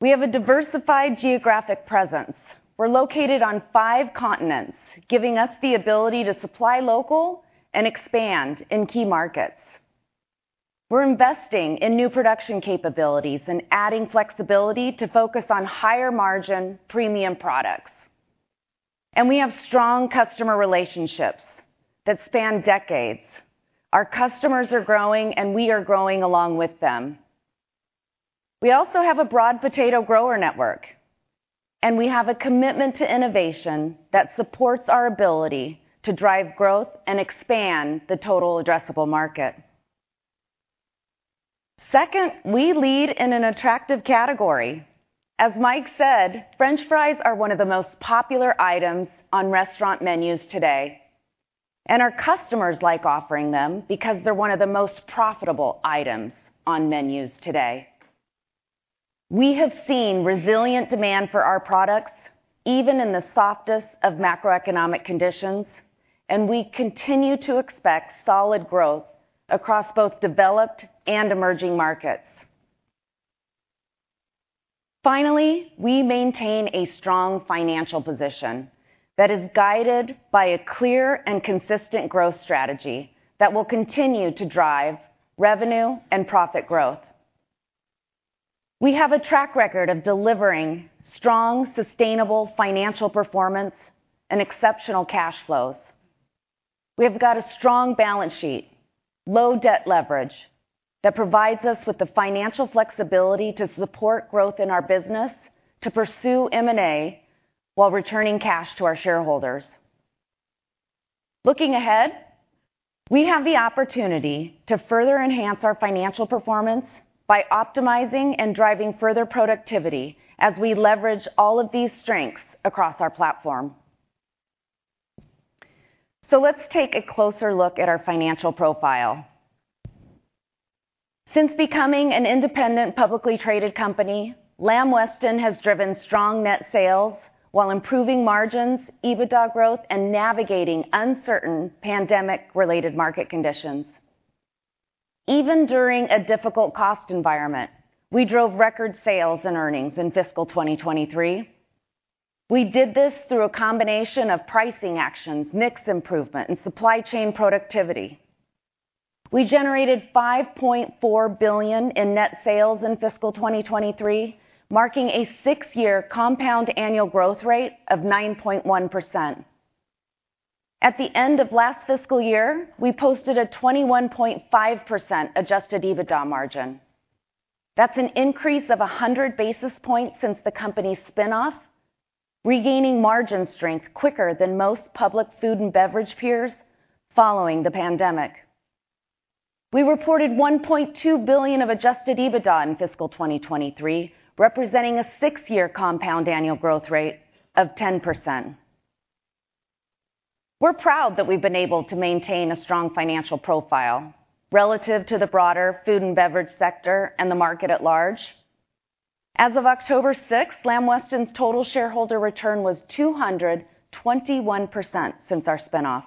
We have a diversified geographic presence. We're located on five continents, giving us the ability to supply local and expand in key markets. We're investing in new production capabilities and adding flexibility to focus on higher margin premium products. We have strong customer relationships that span decades. Our customers are growing, and we are growing along with them. We also have a broad potato grower network, and we have a commitment to innovation that supports our ability to drive growth and expand the total addressable market. Second, we lead in an attractive category. As Mike said, French fries are one of the most popular items on restaurant menus today, and our customers like offering them because they're one of the most profitable items on menus today. We have seen resilient demand for our products, even in the softest of macroeconomic conditions, and we continue to expect solid growth across both developed and emerging markets. Finally, we maintain a strong financial position that is guided by a clear and consistent growth strategy that will continue to drive revenue and profit growth. We have a track record of delivering strong, sustainable financial performance and exceptional cash flows. We have got a strong balance sheet, low debt leverage, that provides us with the financial flexibility to support growth in our business, to pursue M&A, while returning cash to our shareholders. Looking ahead, we have the opportunity to further enhance our financial performance by optimizing and driving further productivity as we leverage all of these strengths across our platform. So let's take a closer look at our financial profile. Since becoming an independent, publicly traded company, Lamb Weston has driven strong net sales while improving margins, EBITDA growth, and navigating uncertain pandemic-related market conditions. Even during a difficult cost environment, we drove record sales and earnings in fiscal 2023. We did this through a combination of pricing actions, mix improvement, and supply chain productivity. We generated $5.4 billion in net sales in fiscal 2023, marking a six-year compound annual growth rate of 9.1%. At the end of last fiscal year, we posted a 21.5% adjusted EBITDA margin. That's an increase of 100 basis points since the company's spin-off, regaining margin strength quicker than most public food and beverage peers following the pandemic. We reported $1.2 billion of adjusted EBITDA in fiscal 2023, representing a six-year compound annual growth rate of 10%. We're proud that we've been able to maintain a strong financial profile relative to the broader food and beverage sector and the market at large. As of October 6, Lamb Weston's total shareholder return was 221% since our spin-off.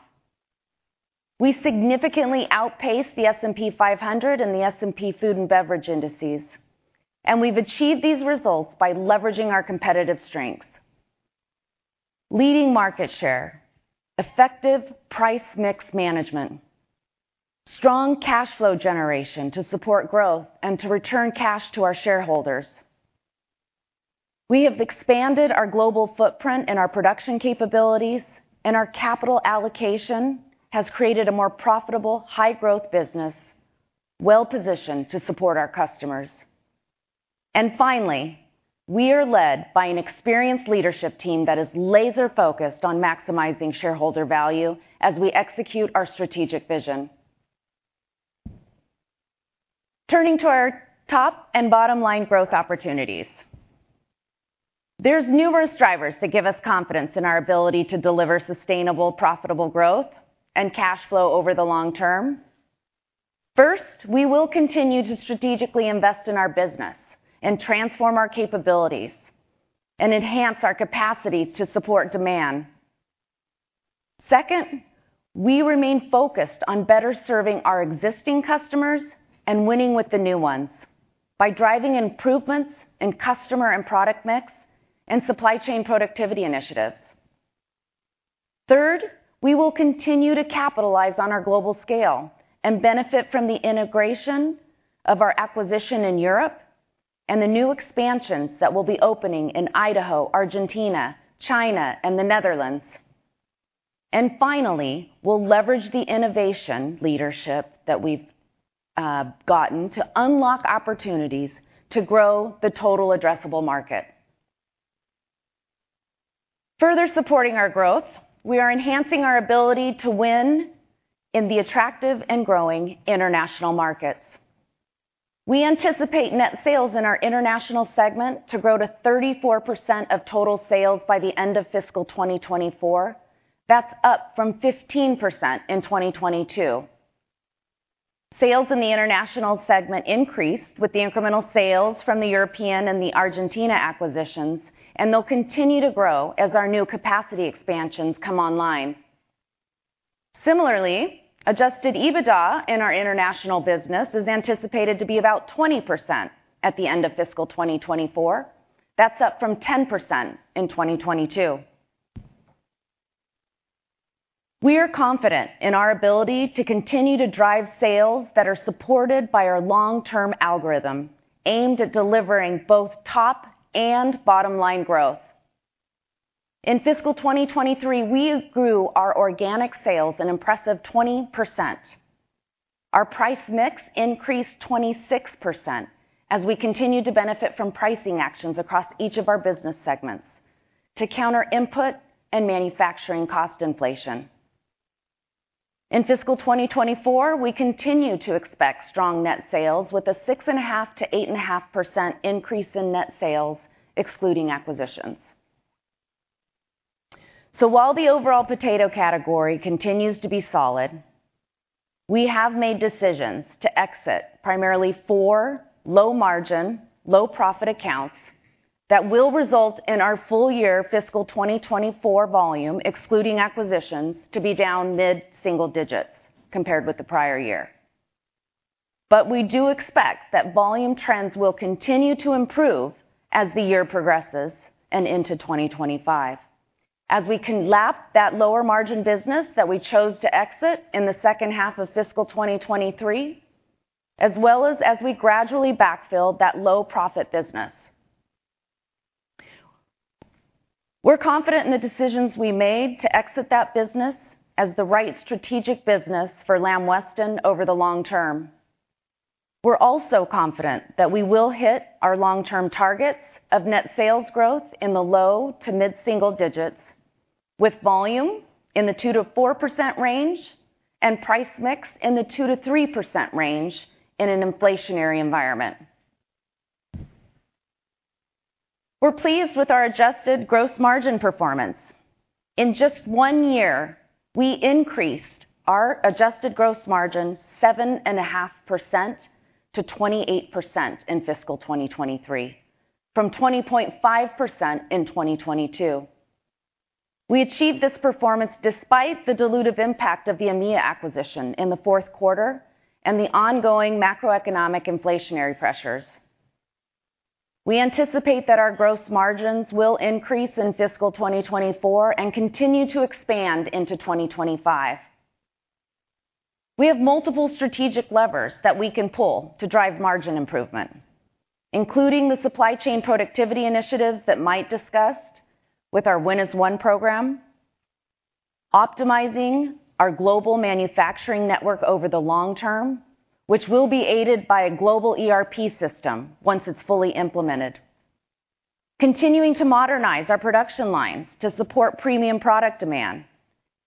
We significantly outpaced the S&P 500 and the S&P Food & Beverage indices, and we've achieved these results by leveraging our competitive strengths: leading market share, effective price mix management, strong cash flow generation to support growth and to return cash to our shareholders. We have expanded our global footprint and our production capabilities, and our capital allocation has created a more profitable, high-growth business, well-positioned to support our customers. Finally, we are led by an experienced leadership team that is laser-focused on maximizing shareholder value as we execute our strategic vision. Turning to our top and bottom line growth opportunities. There are numerous drivers that give us confidence in our ability to deliver sustainable, profitable growth and cash flow over the long term. First, we will continue to strategically invest in our business and transform our capabilities and enhance our capacities to support demand. Second, we remain focused on better serving our existing customers and winning with the new ones by driving improvements in customer and product mix and supply chain productivity initiatives. Third, we will continue to capitalize on our global scale and benefit from the integration of our acquisition in Europe and the new expansions that will be opening in Idaho, Argentina, China, and the Netherlands. And finally, we'll leverage the innovation leadership that we've gotten to unlock opportunities to grow the total addressable market. Further supporting our growth, we are enhancing our ability to win in the attractive and growing international markets. We anticipate net sales in our international segment to grow to 34% of total sales by the end of fiscal 2024. That's up from 15% in 2022. Sales in the international segment increased with the incremental sales from the European and the Argentina acquisitions, and they'll continue to grow as our new capacity expansions come online. Similarly, adjusted EBITDA in our international business is anticipated to be about 20% at the end of fiscal 2024. That's up from 10% in 2022. We are confident in our ability to continue to drive sales that are supported by our long-term algorithm, aimed at delivering both top and bottom-line growth. In fiscal 2023, we grew our organic sales an impressive 20%. Our price mix increased 26% as we continued to benefit from pricing actions across each of our business segments to counter input and manufacturing cost inflation. In fiscal 2024, we continue to expect strong net sales with a 6.5%-8.5% increase in net sales, excluding acquisitions. So while the overall potato category continues to be solid, we have made decisions to exit primarily four low-margin, low-profit accounts that will result in our full-year fiscal 2024 volume, excluding acquisitions, to be down mid single-digit compared with the prior year. But we do expect that volume trends will continue to improve as the year progresses and into 2025, as we can lap that lower margin business that we chose to exit in the second half of fiscal 2023, as well as we gradually backfill that low profit business. We're confident in the decisions we made to exit that business as the right strategic business for Lamb Weston over the long term. We're also confident that we will hit our long-term targets of net sales growth in the low to mid single-digit, with volume in the 2%-4% range and price mix in the 2%-3% range in an inflationary environment. We're pleased with our adjusted gross margin performance. In just one year, we increased our adjusted gross margin 7.5%-28% in fiscal 2023, from 20.5% in 2022. We achieved this performance despite the dilutive impact of the EMEA acquisition in the Q4 and the ongoing macroeconomic inflationary pressures. We anticipate that our gross margins will increase in fiscal 2024 and continue to expand into 2025. We have multiple strategic levers that we can pull to drive margin improvement, including the supply chain productivity initiatives that Mike discussed with our Win as One program, optimizing our global manufacturing network over the long term, which will be aided by a global ERP system once it's fully implemented, continuing to modernize our production lines to support premium product demand,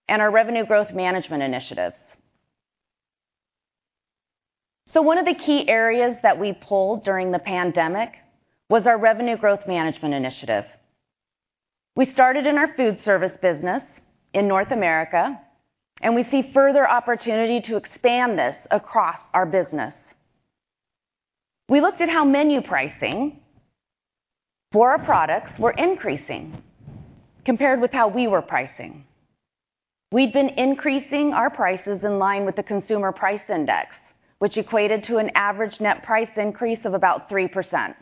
and our revenue growth management initiatives. So one of the key areas that we pulled during the pandemic was our revenue growth management initiative. We started in our Foodservice business in North America, and we see further opportunity to expand this across our business. We looked at how menu pricing for our products were increasing compared with how we were pricing. We'd been increasing our prices in line with the consumer price index, which equated to an average net price increase of about 3%.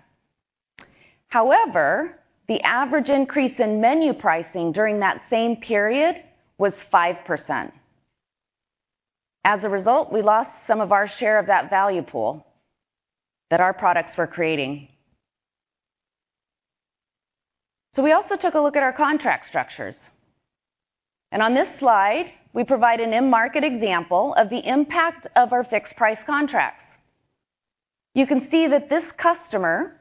However, the average increase in menu pricing during that same period was 5%. As a result, we lost some of our share of that value pool that our products were creating. So we also took a look at our contract structures, and on this slide, we provide an end market example of the impact of our fixed-price contracts. You can see that this customer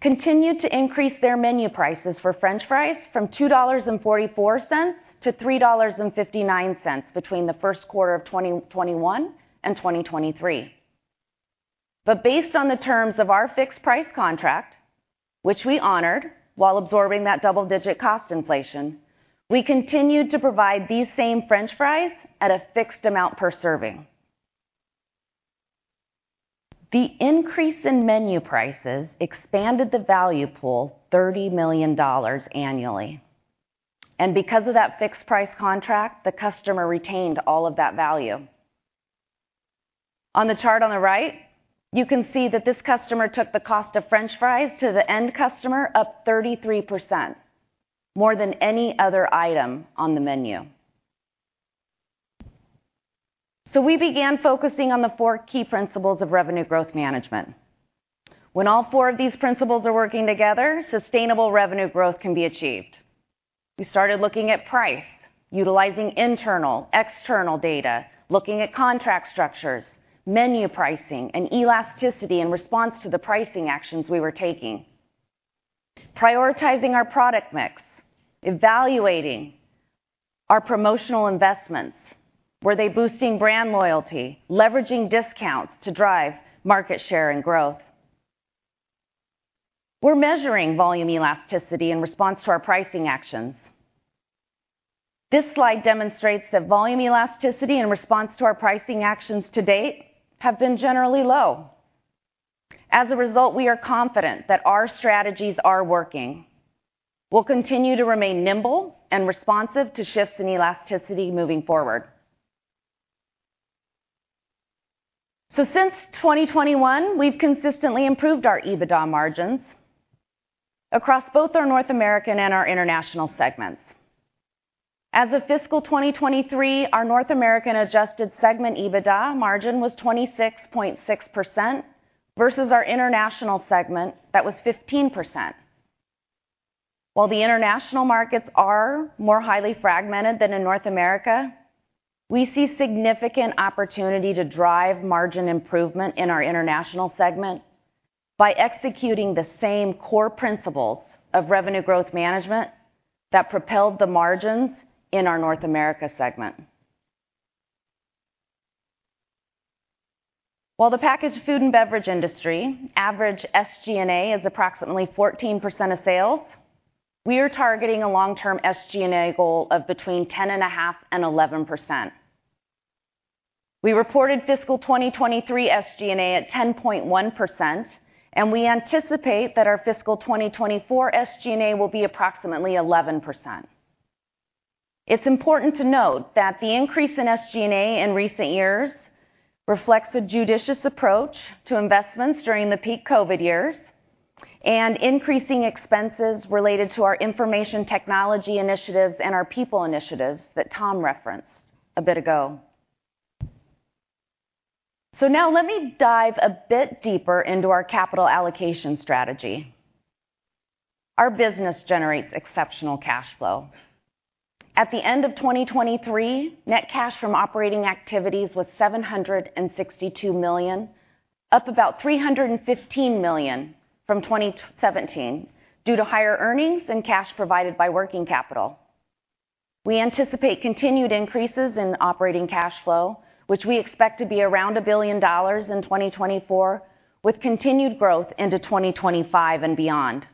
continued to increase their menu prices for French fries from $2.44-$3.59 between the Q1 of 2021 and 2023. But based on the terms of our fixed price contract, which we honored while absorbing that double-digit cost inflation, we continued to provide these same French fries at a fixed amount per serving. The increase in menu prices expanded the value pool $30 million annually, and because of that fixed price contract, the customer retained all of that value. On the chart on the right, you can see that this customer took the cost of French fries to the end customer up 33%, more than any other item on the menu. So we began focusing on the four key principles of revenue growth management. When all four of these principles are working together, sustainable revenue growth can be achieved. We started looking at price, utilizing internal, external data, looking at contract structures, menu pricing, and elasticity in response to the pricing actions we were taking. Prioritizing our product mix, evaluating our promotional investments. Were they boosting brand loyalty, leveraging discounts to drive market share and growth? We're measuring volume elasticity in response to our pricing actions. This slide demonstrates that volume elasticity in response to our pricing actions to date have been generally low. As a result, we are confident that our strategies are working. We'll continue to remain nimble and responsive to shifts in elasticity moving forward. So since 2021, we've consistently improved our EBITDA margins across both our North American and our international segments. As of fiscal 2023, our North American adjusted segment EBITDA margin was 26.6%, versus our international segment, that was 15%. While the international markets are more highly fragmented than in North America, we see significant opportunity to drive margin improvement in our international segment by executing the same core principles of revenue growth management that propelled the margins in our North America segment. While the packaged food and beverage industry average SG&A is approximately 14% of sales, we are targeting a long-term SG&A goal of between 10.5% and 11%. We reported fiscal 2023 SG&A at 10.1%, and we anticipate that our fiscal 2024 SG&A will be approximately 11%. It's important to note that the increase in SG&A in recent years reflects a judicious approach to investments during the peak COVID years, and increasing expenses related to our information technology initiatives and our people initiatives that Tom referenced a bit ago. So now let me dive a bit deeper into our capital allocation strategy. Our business generates exceptional cash flow. At the end of 2023, net cash from operating activities was $762 million, up about $315 million from 2017, due to higher earnings and cash provided by working capital. We anticipate continued increases in operating cash flow, which we expect to be around $1 billion in 2024, with continued growth into 2025 and beyond.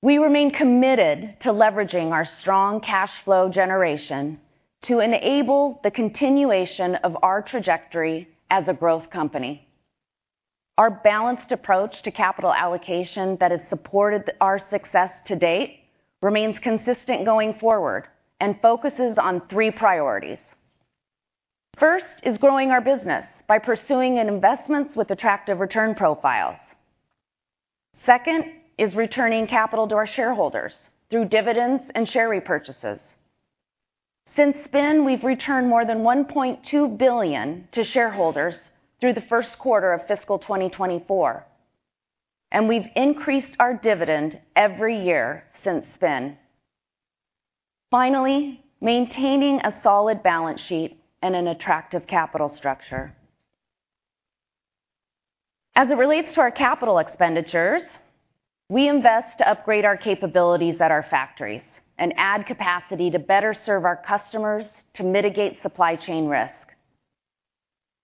We remain committed to leveraging our strong cash flow generation to enable the continuation of our trajectory as a growth company. Our balanced approach to capital allocation that has supported our success to date, remains consistent going forward and focuses on three priorities. First is growing our business by pursuing investments with attractive return profiles. Second is returning capital to our shareholders through dividends and share repurchases. Since then, we've returned more than $1.2 billion to shareholders through the Q1 of fiscal 2024, and we've increased our dividend every year since then. Finally, maintaining a solid balance sheet and an attractive capital structure. As it relates to our capital expenditures, we invest to upgrade our capabilities at our factories and add capacity to better serve our customers to mitigate supply chain risk.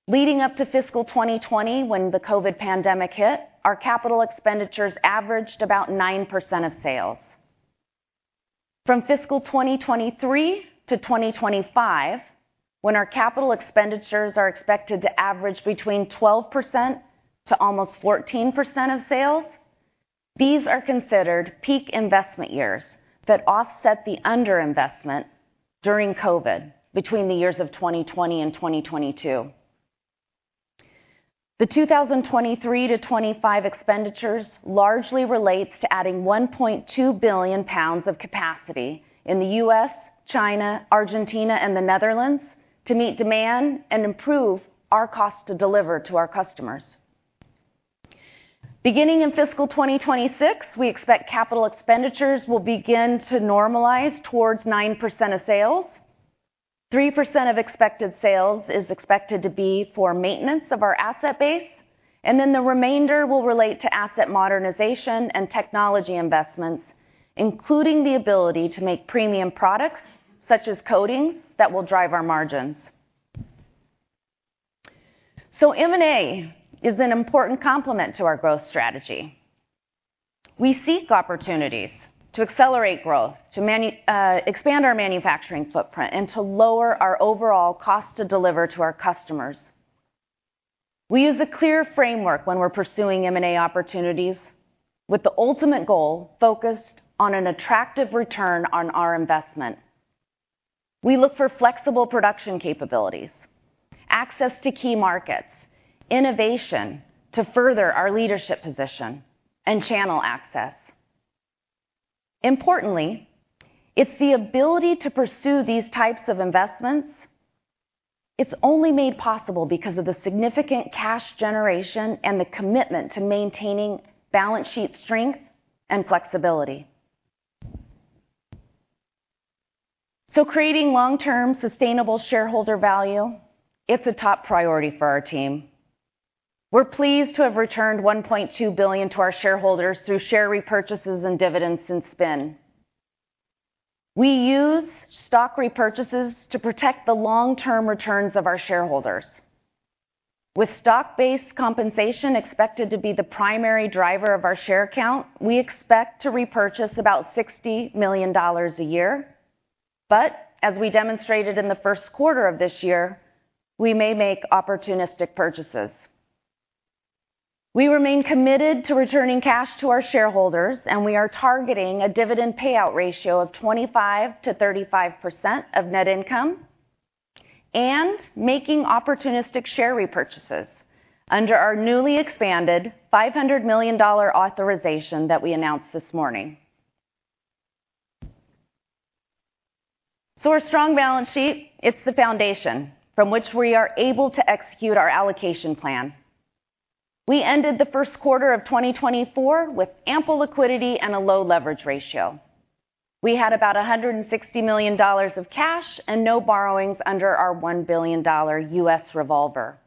Leading up to fiscal 2020, when the COVID pandemic hit, our capital expenditures averaged about 9% of sales. From fiscal 2023 to 2025, when our capital expenditures are expected to average between 12% to almost 14% of sales, these are considered peak investment years that offset the underinvestment during COVID between the years of 2020 and 2022. The 2023-2025 expenditures largely relates to adding 1.2 billion pounds of capacity in the U.S., China, Argentina, and the Netherlands to meet demand and improve our cost to deliver to our customers. Beginning in fiscal 2026, we expect capital expenditures will begin to normalize towards 9% of sales. Three percent of expected sales is expected to be for maintenance of our asset base, and then the remainder will relate to asset modernization and technology investments, including the ability to make premium products, such as coatings, that will drive our margins. So M&A is an important complement to our growth strategy. We seek opportunities to accelerate growth, to expand our manufacturing footprint, and to lower our overall cost to deliver to our customers. We use a clear framework when we're pursuing M&A opportunities, with the ultimate goal focused on an attractive return on our investment. We look for flexible production capabilities, access to key markets, innovation to further our leadership position, and channel access. Importantly, it's the ability to pursue these types of investments... It's only made possible because of the significant cash generation and the commitment to maintaining balance sheet strength and flexibility. So creating long-term, sustainable shareholder value, it's a top priority for our team. We're pleased to have returned $1.2 billion to our shareholders through share repurchases and dividends since spin. We use stock repurchases to protect the long-term returns of our shareholders. With stock-based compensation expected to be the primary driver of our share count, we expect to repurchase about $60 million a year. But as we demonstrated in the Q1 of this year, we may make opportunistic purchases. We remain committed to returning cash to our shareholders, and we are targeting a dividend payout ratio of 25%-35% of net income, and making opportunistic share repurchases under our newly expanded $500 million authorization that we announced this morning. So our strong balance sheet, it's the foundation from which we are able to execute our allocation plan. We ended the Q1 of 2024 with ample liquidity and a low leverage ratio. We had about $160 million of cash and no borrowings under our $1 billion U.S. revolver.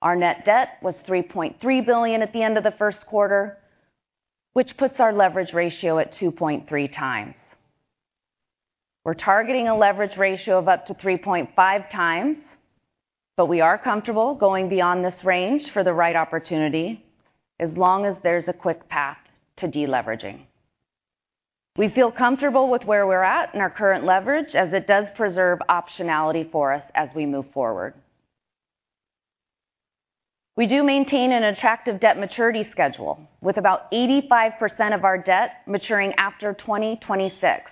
Our net debt was $3.3 billion at the end of the Q1, which puts our leverage ratio at 2.3x. We're targeting a leverage ratio of up to 3.5x, but we are comfortable going beyond this range for the right opportunity, as long as there's a quick path to deleveraging. We feel comfortable with where we're at in our current leverage, as it does preserve optionality for us as we move forward. We do maintain an attractive debt maturity schedule, with about 85% of our debt maturing after 2026.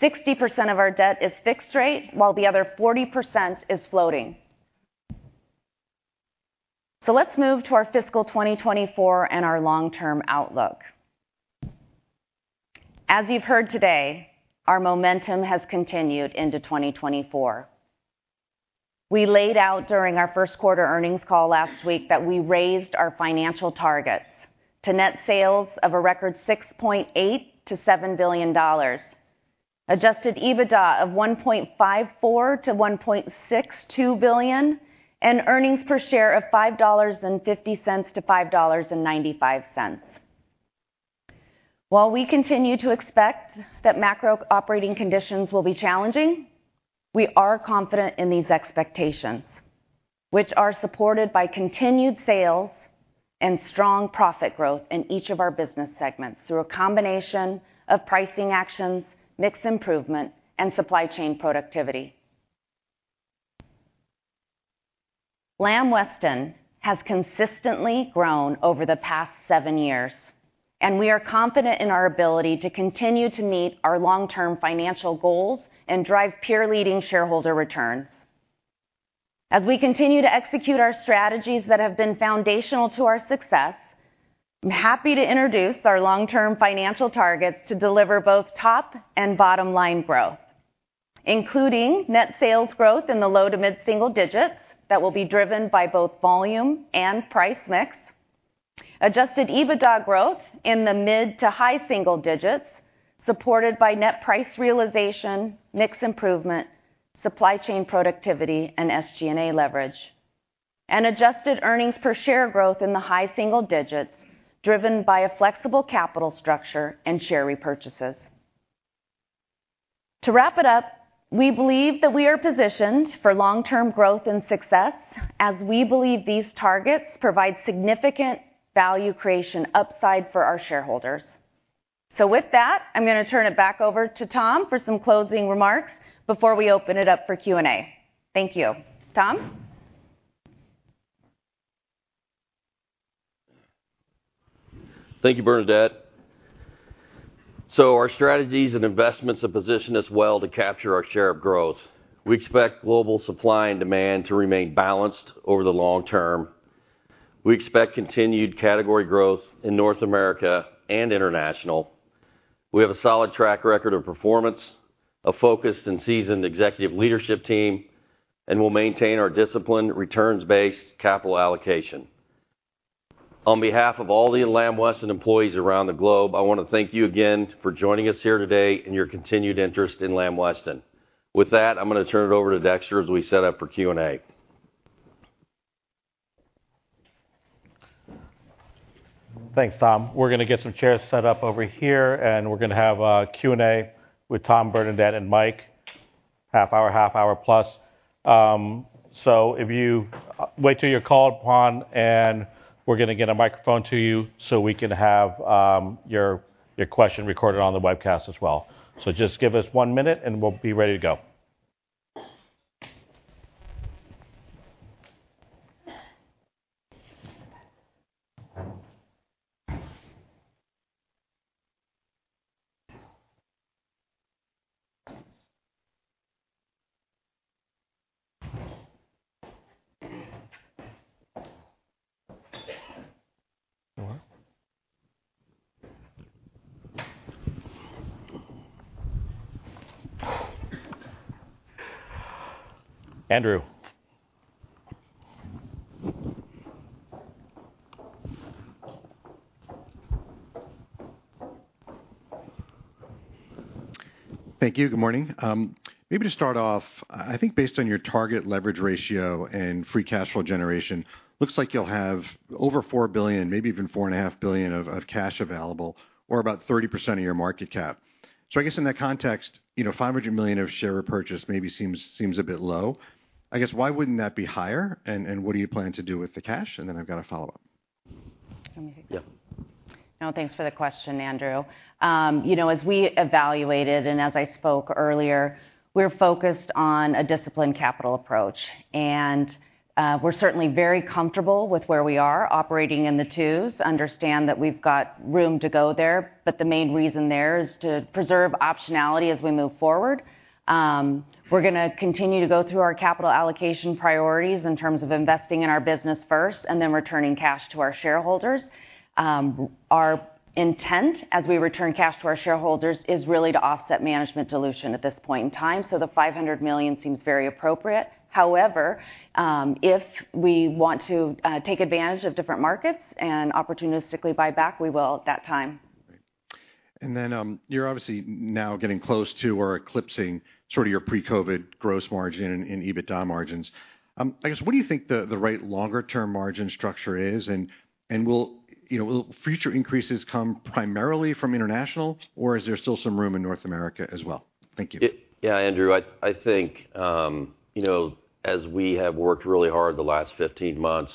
60% of our debt is fixed rate, while the other 40% is floating. So let's move to our fiscal 2024 and our long-term outlook. As you've heard today, our momentum has continued into 2024. We laid out during our Q1 earnings call last week that we raised our financial targets to net sales of a record $6.8 billion-$7 billion, adjusted EBITDA of $1.54 billion-$1.62 billion, and earnings per share of $5.50-$5.95. While we continue to expect that macro operating conditions will be challenging, we are confident in these expectations, which are supported by continued sales and strong profit growth in each of our business segments through a combination of pricing actions, mix improvement, and supply chain productivity. Lamb Weston has consistently grown over the past seven years, and we are confident in our ability to continue to meet our long-term financial goals and drive peer-leading shareholder returns. As we continue to execute our strategies that have been foundational to our success, I'm happy to introduce our long-term financial targets to deliver both top and bottom line growth, including net sales growth in the low to mid single-digit that will be driven by both volume and price mix. Adjusted EBITDA growth in the mid to high single-digit, supported by net price realization, mix improvement, supply chain productivity, and SG&A leverage. And adjusted earnings per share growth in the high single-digit, driven by a flexible capital structure and share repurchases. To wrap it up, we believe that we are positioned for long-term growth and success, as we believe these targets provide significant value creation upside for our shareholders. So with that, I'm gonna turn it back over to Tom for some closing remarks before we open it up for Q&A. Thank you. Tom? Thank you, Bernadette. So our strategies and investments have positioned us well to capture our share of growth. We expect global supply and demand to remain balanced over the long term. We expect continued category growth in North America and international. We have a solid track record of performance, a focused and seasoned executive leadership team, and we'll maintain our disciplined, returns-based capital allocation. On behalf of all the Lamb Weston employees around the globe, I want to thank you again for joining us here today and your continued interest in Lamb Weston. With that, I'm gonna turn it over to Dexter as we set up for Q&A. Thanks, Tom. We're gonna get some chairs set up over here, and we're gonna have a Q&A with Tom, Bernadette, and Mike. Half hour, half hour plus. So if you wait till you're called upon, and we're gonna get a microphone to you so we can have your question recorded on the webcast as well. So just give us one minute, and we'll be ready to go. Andrew? Thank you. Good morning. Maybe to start off, I think based on your target leverage ratio and free cash flow generation, looks like you'll have over $4 billion, maybe even $4.5 billion of cash available, or about 30% of your market cap. So I guess in that context, you know, $500 million of share repurchase maybe seems a bit low. I guess, why wouldn't that be higher, and what do you plan to do with the cash? And then I've got a follow-up.... Yeah. No, thanks for the question, Andrew. You know, as we evaluated, and as I spoke earlier, we're focused on a disciplined capital approach. And, we're certainly very comfortable with where we are operating in the twos, understand that we've got room to go there, but the main reason there is to preserve optionality as we move forward. We're gonna continue to go through our capital allocation priorities in terms of investing in our business first, and then returning cash to our shareholders. Our intent, as we return cash to our shareholders, is really to offset management dilution at this point in time, so the $500 million seems very appropriate. However, if we want to take advantage of different markets and opportunistically buy back, we will at that time. Great. And then, you're obviously now getting close to or eclipsing sort of your pre-COVID gross margin and EBITDA margins. I guess, what do you think the right longer-term margin structure is? And will, you know, will future increases come primarily from international, or is there still some room in North America as well? Thank you. Yeah, Andrew, I think, you know, as we have worked really hard the last 15 months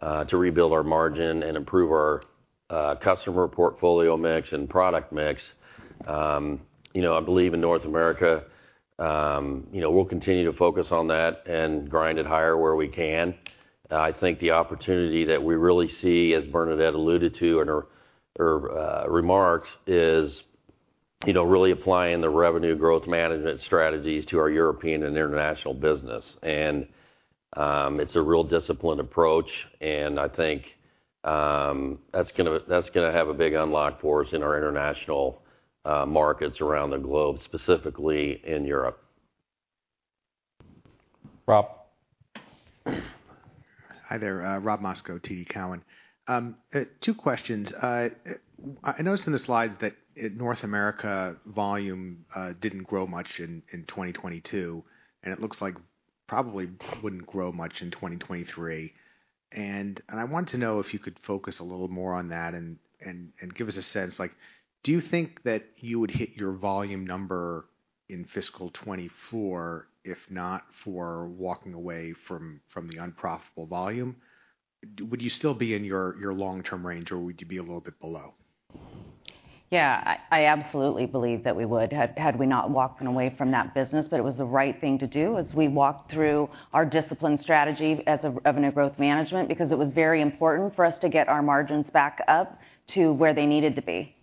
to rebuild our margin and improve our customer portfolio mix and product mix, you know, I believe in North America, you know, we'll continue to focus on that and grind it higher where we can. I think the opportunity that we really see, as Bernadette alluded to in her remarks, is, you know, really applying the revenue growth management strategies to our European and international business. It's a real disciplined approach, and I think that's gonna, that's gonna have a big unlock for us in our international markets around the globe, specifically in Europe. Rob? Hi there, Rob Moskow, TD Cowen. Two questions. I noticed in the slides that North America volume didn't grow much in 2022, and it looks like probably wouldn't grow much in 2023. And I wanted to know if you could focus a little more on that and give us a sense. Like, do you think that you would hit your volume number in fiscal 2024, if not for walking away from the unprofitable volume? Would you still be in your long-term range, or would you be a little bit below? Yeah, I absolutely believe that we would, had we not walked away from that business. But it was the right thing to do as we walked through our discipline strategy as a revenue growth management, because it was very important for us to get our margins back up to where they needed to be.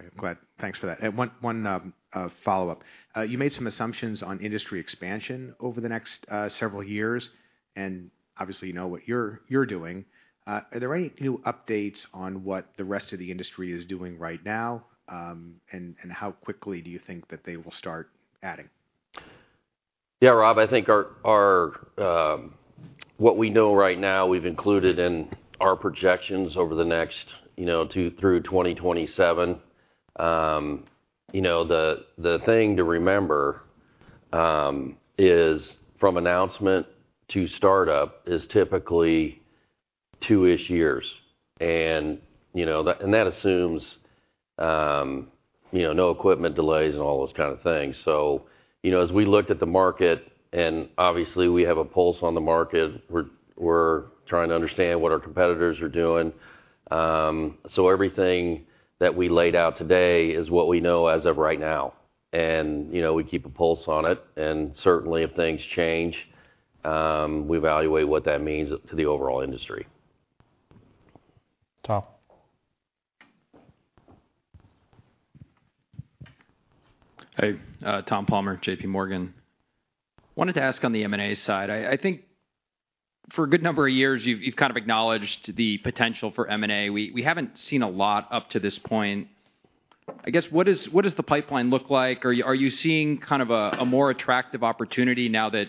Okay. Glad. Thanks for that. One follow-up. You made some assumptions on industry expansion over the next several years, and obviously, you know what you're doing. Are there any new updates on what the rest of the industry is doing right now? And how quickly do you think that they will start adding? Yeah, Rob, I think our... What we know right now, we've included in our projections over the next, you know, two through 2027. You know, the thing to remember is from announcement to startup is typically two-ish years. And, you know, that and that assumes, you know, no equipment delays and all those kind of things. So, you know, as we looked at the market, and obviously, we have a pulse on the market, we're trying to understand what our competitors are doing. So everything that we laid out today is what we know as of right now. And, you know, we keep a pulse on it, and certainly, if things change, we evaluate what that means to the overall industry. Tom. Hey, Tom Palmer, JPMorgan. Wanted to ask on the M&A side, I think for a good number of years, you've kind of acknowledged the potential for M&A. We haven't seen a lot up to this point. I guess, what does the pipeline look like? Are you seeing kind of a more attractive opportunity now that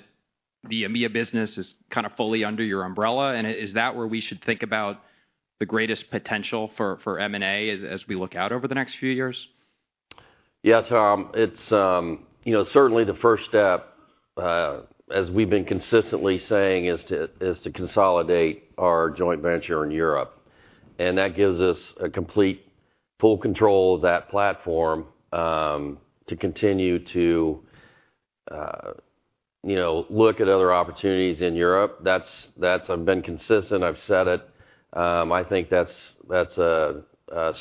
the EMEA business is kind of fully under your umbrella? Is that where we should think about the greatest potential for M&A as we look out over the next few years? Yeah, Tom, it's, you know, certainly the first step, as we've been consistently saying, is to consolidate our joint venture in Europe. That gives us complete, full control of that platform, you know, to continue to look at other opportunities in Europe. That's, that's... I've been consistent, I've said it. I think that's a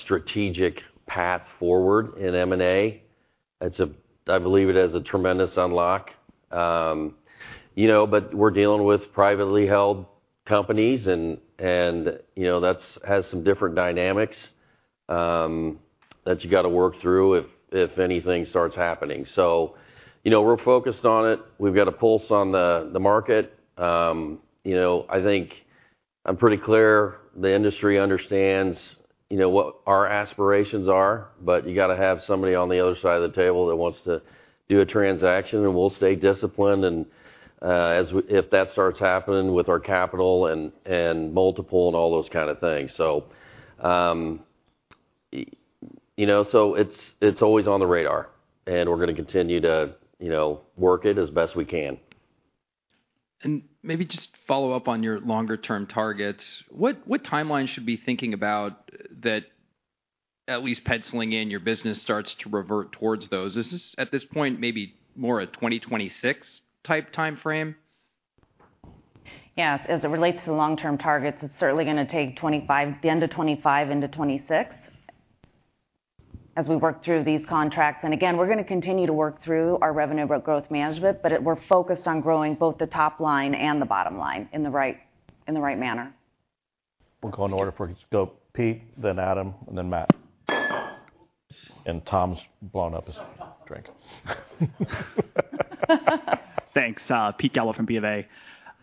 strategic path forward in M&A. It's a-- I believe it has a tremendous unlock. You know, but we're dealing with privately held companies, and, you know, that has some different dynamics that you got to work through if anything starts happening. You know, we're focused on it. We've got a pulse on the market. You know, I think I'm pretty clear the industry understands, you know, what our aspirations are, but you gotta have somebody on the other side of the table that wants to do a transaction, and we'll stay disciplined and, as if that starts happening with our capital and, and multiple and all those kind of things. So, you know, so it's, it's always on the radar, and we're gonna continue to, you know, work it as best we can. Maybe just follow up on your longer-term targets. What timeline should we be thinking about that at least penciling in your business starts to revert towards those. Is this, at this point, maybe more a 2026-type timeframe? Yes, as it relates to the long-term targets, it's certainly gonna take 25, the end of 25 into 2026, as we work through these contracts. And again, we're gonna continue to work through our revenue growth management, but we're focused on growing both the top line and the bottom line in the right, in the right manner. We'll go in order for it to go Pete, then Adam, and then Matt. And Tom's blown up his drink. Thanks. Pete Galbo from BofA.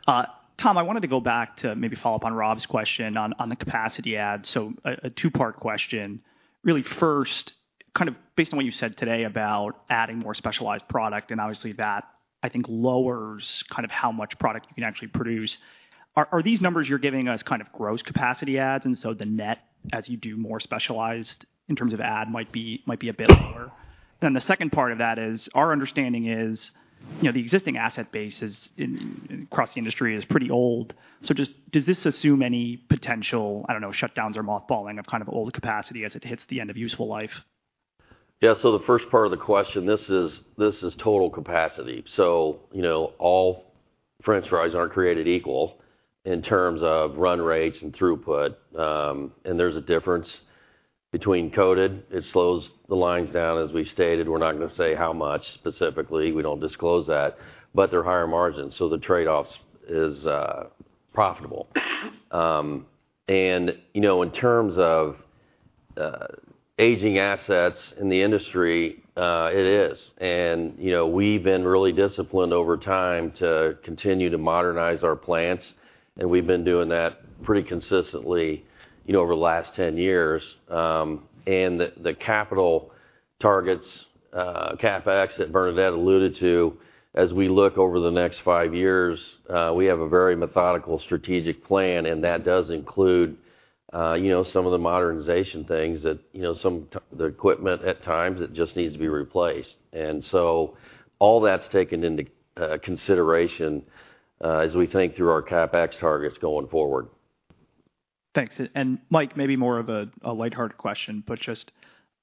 Tom, I wanted to go back to maybe follow up on Rob's question on the capacity add. So a two-part question. Really, first, kind of based on what you said today about adding more specialized product, and obviously, that, I think, lowers kind of how much product you can actually produce. Are these numbers you're giving us kind of gross capacity adds, and so the net, as you do more specialized in terms of add, might be a bit lower? Then the second part of that is, our understanding is, you know, the existing asset base across the industry is pretty old. So just does this assume any potential, I don't know, shutdowns or mothballing of kind of old capacity as it hits the end of useful life? Yeah, so the first part of the question, this is total capacity. So you know, all French fries aren't created equal in terms of run rates and throughput. And there's a difference between coated. It slows the lines down, as we've stated. We're not gonna say how much specifically. We don't disclose that, but they're higher margins, so the trade-offs is profitable. And, you know, in terms of, aging assets in the industry, it is. And, you know, we've been really disciplined over time to continue to modernize our plants, and we've been doing that pretty consistently, you know, over the last 10 years. And the capital targets, CapEx, that Bernadette alluded to, as we look over the next five years, we have a very methodical, strategic plan, and that does include, you know, some of the modernization things that, you know, the equipment at times, it just needs to be replaced. And so all that's taken into consideration, as we think through our CapEx targets going forward. Thanks. Mike, maybe more of a lighthearted question, but just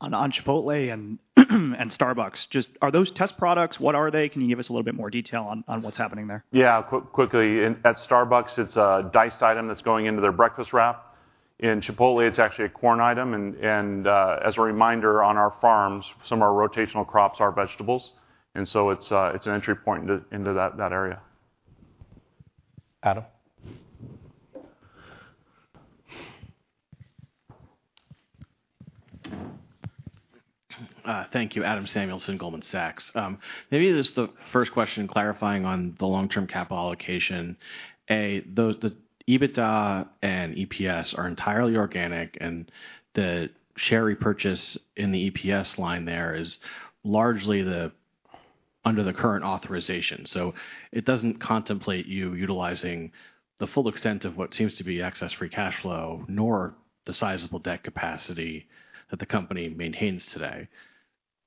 on Chipotle and Starbucks, just are those test products? What are they? Can you give us a little bit more detail on what's happening there? Yeah, quickly. At Starbucks, it's a diced item that's going into their breakfast wrap. In Chipotle, it's actually a corn item, and as a reminder, on our farms, some of our rotational crops are vegetables, and so it's an entry point into that area. Adam? Thank you. Adam Samuelson, Goldman Sachs. Maybe just the first question, clarifying on the long-term capital allocation. Those, the EBITDA and EPS are entirely organic, and the share repurchase in the EPS line there is largely under the current authorization. So it doesn't contemplate you utilizing the full extent of what seems to be excess free cash flow, nor the sizable debt capacity that the company maintains today.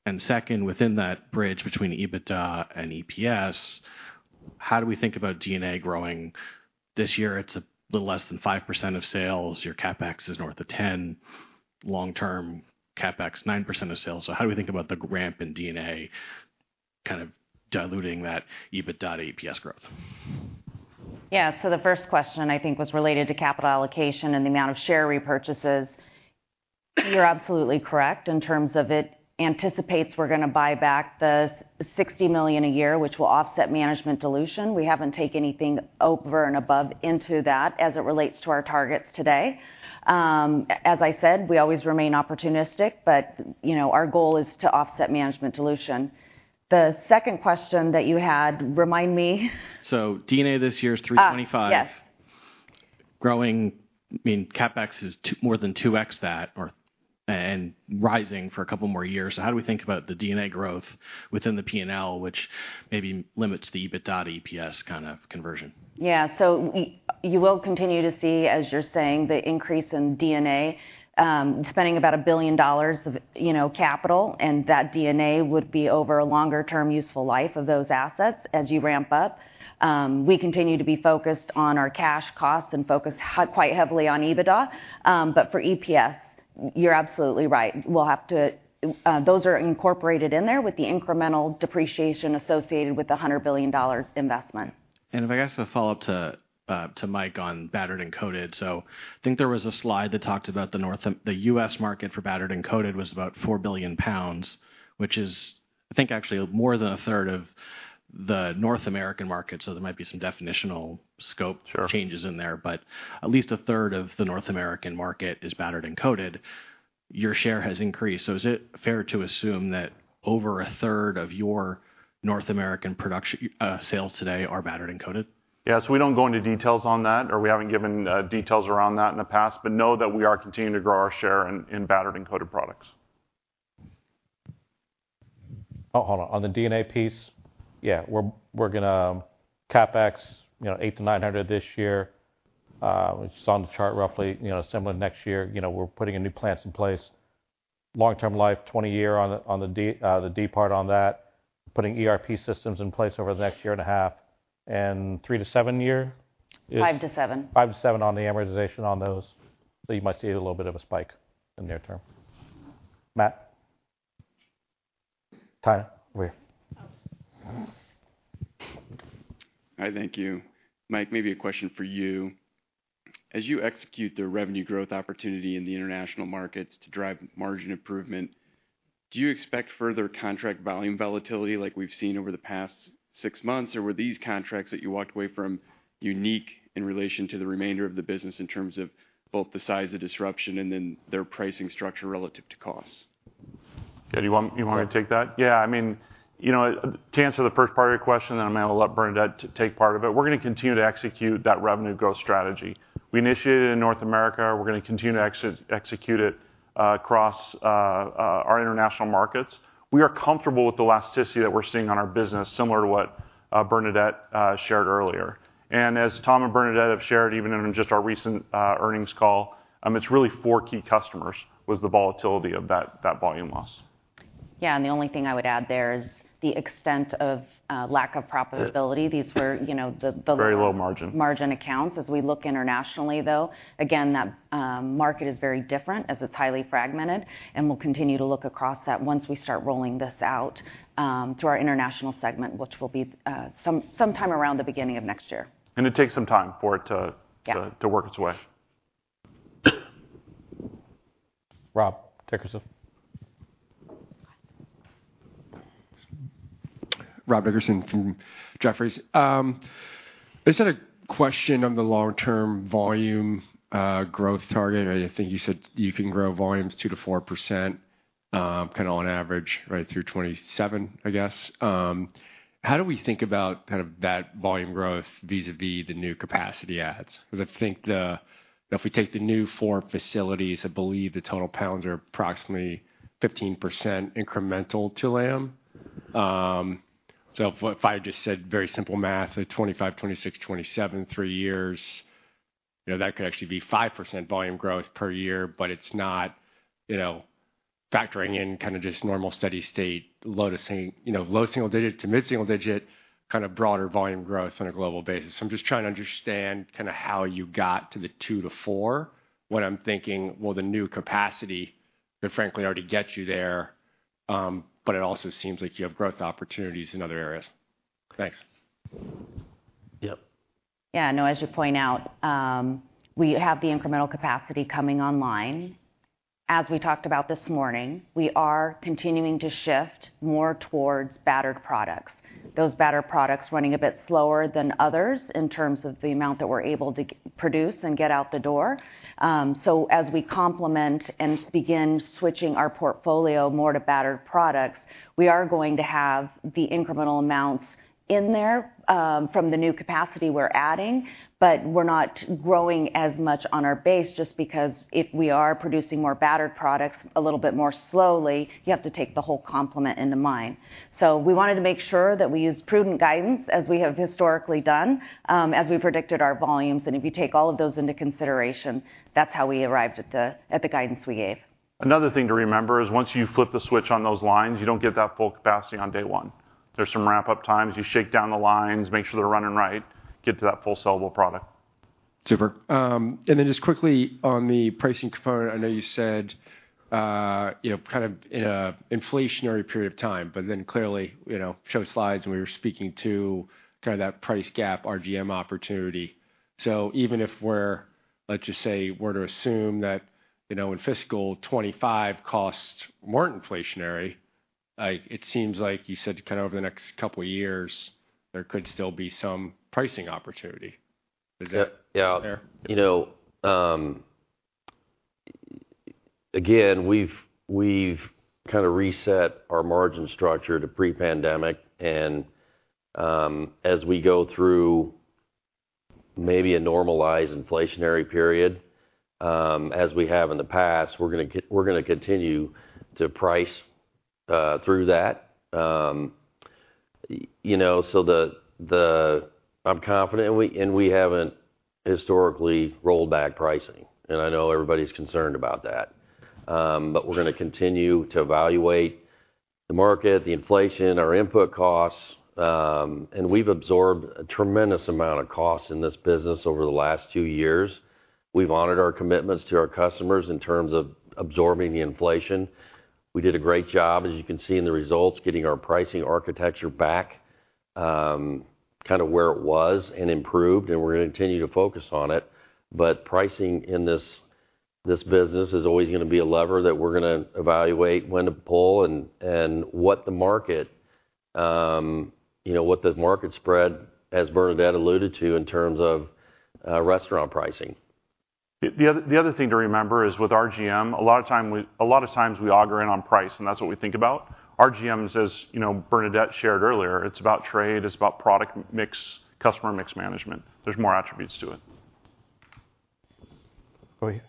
And second, within that bridge between EBITDA and EPS, how do we think about D&A growing? This year, it's a little less than 5% of sales. Your CapEx is north of 10. Long-term CapEx, 9% of sales. So how do we think about the ramp in D&A kind of diluting that EBITDA to EPS growth? Yeah. So the first question, I think, was related to capital allocation and the amount of share repurchases. You're absolutely correct in terms of it anticipates we're gonna buy back the 60 million a year, which will offset management dilution. We haven't taken anything over and above into that as it relates to our targets today. As I said, we always remain opportunistic, but, you know, our goal is to offset management dilution. The second question that you had, remind me? D&A this year is $325. Ah, yes. Growing, I mean, CapEx is more than 2x that, or and rising for a couple more years. So how do we think about the D&A growth within the P&L, which maybe limits the EBITDA to EPS kind of conversion? Yeah. So you will continue to see, as you're saying, the increase in D&A, spending about $1 billion of, you know, capital, and that D&A would be over a longer-term useful life of those assets as you ramp up. We continue to be focused on our cash costs and focus quite heavily on EBITDA. But for EPS, you're absolutely right. We'll have to. Those are incorporated in there with the incremental depreciation associated with the $100 billion investment. If I could ask a follow-up to Mike on battered and coated. So I think there was a slide that talked about the US market for battered and coated was about 4 billion pounds, which is, I think, actually more than a third of the North American market, so there might be some definitional scope- Sure Changes in there, but at least a third of the North American market is battered and coated. Your share has increased, so is it fair to assume that over a third of your North American production, sales today are battered and coated? Yes, we don't go into details on that, or we haven't given, details around that in the past, but know that we are continuing to grow our share in, in battered and coated products. Oh, hold on. On the D&A piece, yeah, we're gonna CapEx, you know, $800-$900 this year. Which is on the chart, roughly, you know, similar next year. You know, we're putting a new plants in place. Long-term life, 20-year on the, on the D, the D part on that. Putting ERP systems in place over the next year and a half, and three to seven year? Five to seven. Five to seven on the amortization on those, so you might see a little bit of a spike in the near term. Matt? Tyler, over here. Hi, thank you. Mike, maybe a question for you. As you execute the revenue growth opportunity in the international markets to drive margin improvement, do you expect further contract volume volatility like we've seen over the past six months? Or were these contracts that you walked away from unique in relation to the remainder of the business in terms of both the size of disruption and then their pricing structure relative to costs? Yeah, do you want, you want me to take that? Yeah, I mean, you know, to answer the first part of your question, then I'm gonna let Bernadette take part of it. We're gonna continue to execute that revenue growth strategy. We initiated it in North America, we're gonna continue to execute it across our international markets. We are comfortable with the elasticity that we're seeing on our business, similar to what Bernadette shared earlier. And as Tom and Bernadette have shared, even in just our recent earnings call, it's really four key customers, was the volatility of that, that volume loss. Yeah, and the only thing I would add there is the extent of lack of profitability. Yeah. These were, you know, the Very low margin. margin accounts. As we look internationally, though, again, that market is very different as it's highly fragmented, and we'll continue to look across that once we start rolling this out through our international segment, which will be sometime around the beginning of next year. And it takes some time for it to work its way. Rob Dickerson. Rob Dickerson from Jefferies. Is it a question on the long-term volume growth target? I think you said you can grow volumes 2%-4% kind of on average, right through 2027, I guess. How do we think about kind of that volume growth vis-a-vis the new capacity adds? Because I think the, if we take the new four facilities, I believe the total pounds are approximately 15% incremental to Lamb. So if I just said very simple math, 2025, 2026, 2027, three years, you know, that could actually be 5% volume growth per year, but it's not, you know, factoring in kind of just normal, steady state, low single-digit to mid single-digit, kind of broader volume growth on a global basis. So I'm just trying to understand kind of how you got to the 2-4, when I'm thinking, well, the new capacity could frankly already get you there, but it also seems like you have growth opportunities in other areas. Thanks. Yep. Yeah, no, as you point out, we have the incremental capacity coming online. As we talked about this morning, we are continuing to shift more towards battered products. Those battered products running a bit slower than others in terms of the amount that we're able to produce and get out the door. So as we complement and begin switching our portfolio more to battered products, we are going to have the incremental amounts in there, from the new capacity we're adding, but we're not growing as much on our base just because if we are producing more battered products a little bit more slowly, you have to take the whole complement into mind. So we wanted to make sure that we use prudent guidance, as we have historically done, as we predicted our volumes. If you take all of those into consideration, that's how we arrived at the guidance we gave. Another thing to remember is once you flip the switch on those lines, you don't get that full capacity on day one. There's some wrap-up times. You shake down the lines, make sure they're running right, get to that full sellable product. Super. And then just quickly on the pricing component, I know you said, you know, kind of in an inflationary period of time, but then clearly, you know, showed slides when we were speaking to kind of that price gap, RGM opportunity. So even if we're, let's just say, were to assume that, you know, in fiscal 2025 costs more inflationary, it seems like you said kind of over the next couple of years, there could still be some pricing opportunity. Is that fair? Yeah. You know, again, we've kind of reset our margin structure to pre-pandemic and, as we go through maybe a normalized inflationary period, as we have in the past, we're gonna continue to price through that. You know, so... I'm confident, and we haven't historically rolled back pricing, and I know everybody's concerned about that. But we're gonna continue to evaluate the market, the inflation, our input costs, and we've absorbed a tremendous amount of costs in this business over the last two years. We've honored our commitments to our customers in terms of absorbing the inflation. We did a great job, as you can see in the results, getting our pricing architecture back, kind of where it was and improved, and we're gonna continue to focus on it. But pricing in this, this business is always gonna be a lever that we're gonna evaluate when to pull and, and what the market, you know, what the market spread, as Bernadette alluded to, in terms of, restaurant pricing. The other thing to remember is with RGM, a lot of times we auger in on price, and that's what we think about. RGM, as you know, Bernadette shared earlier, it's about trade, it's about product mix, customer mix management. There's more attributes to it. Over here.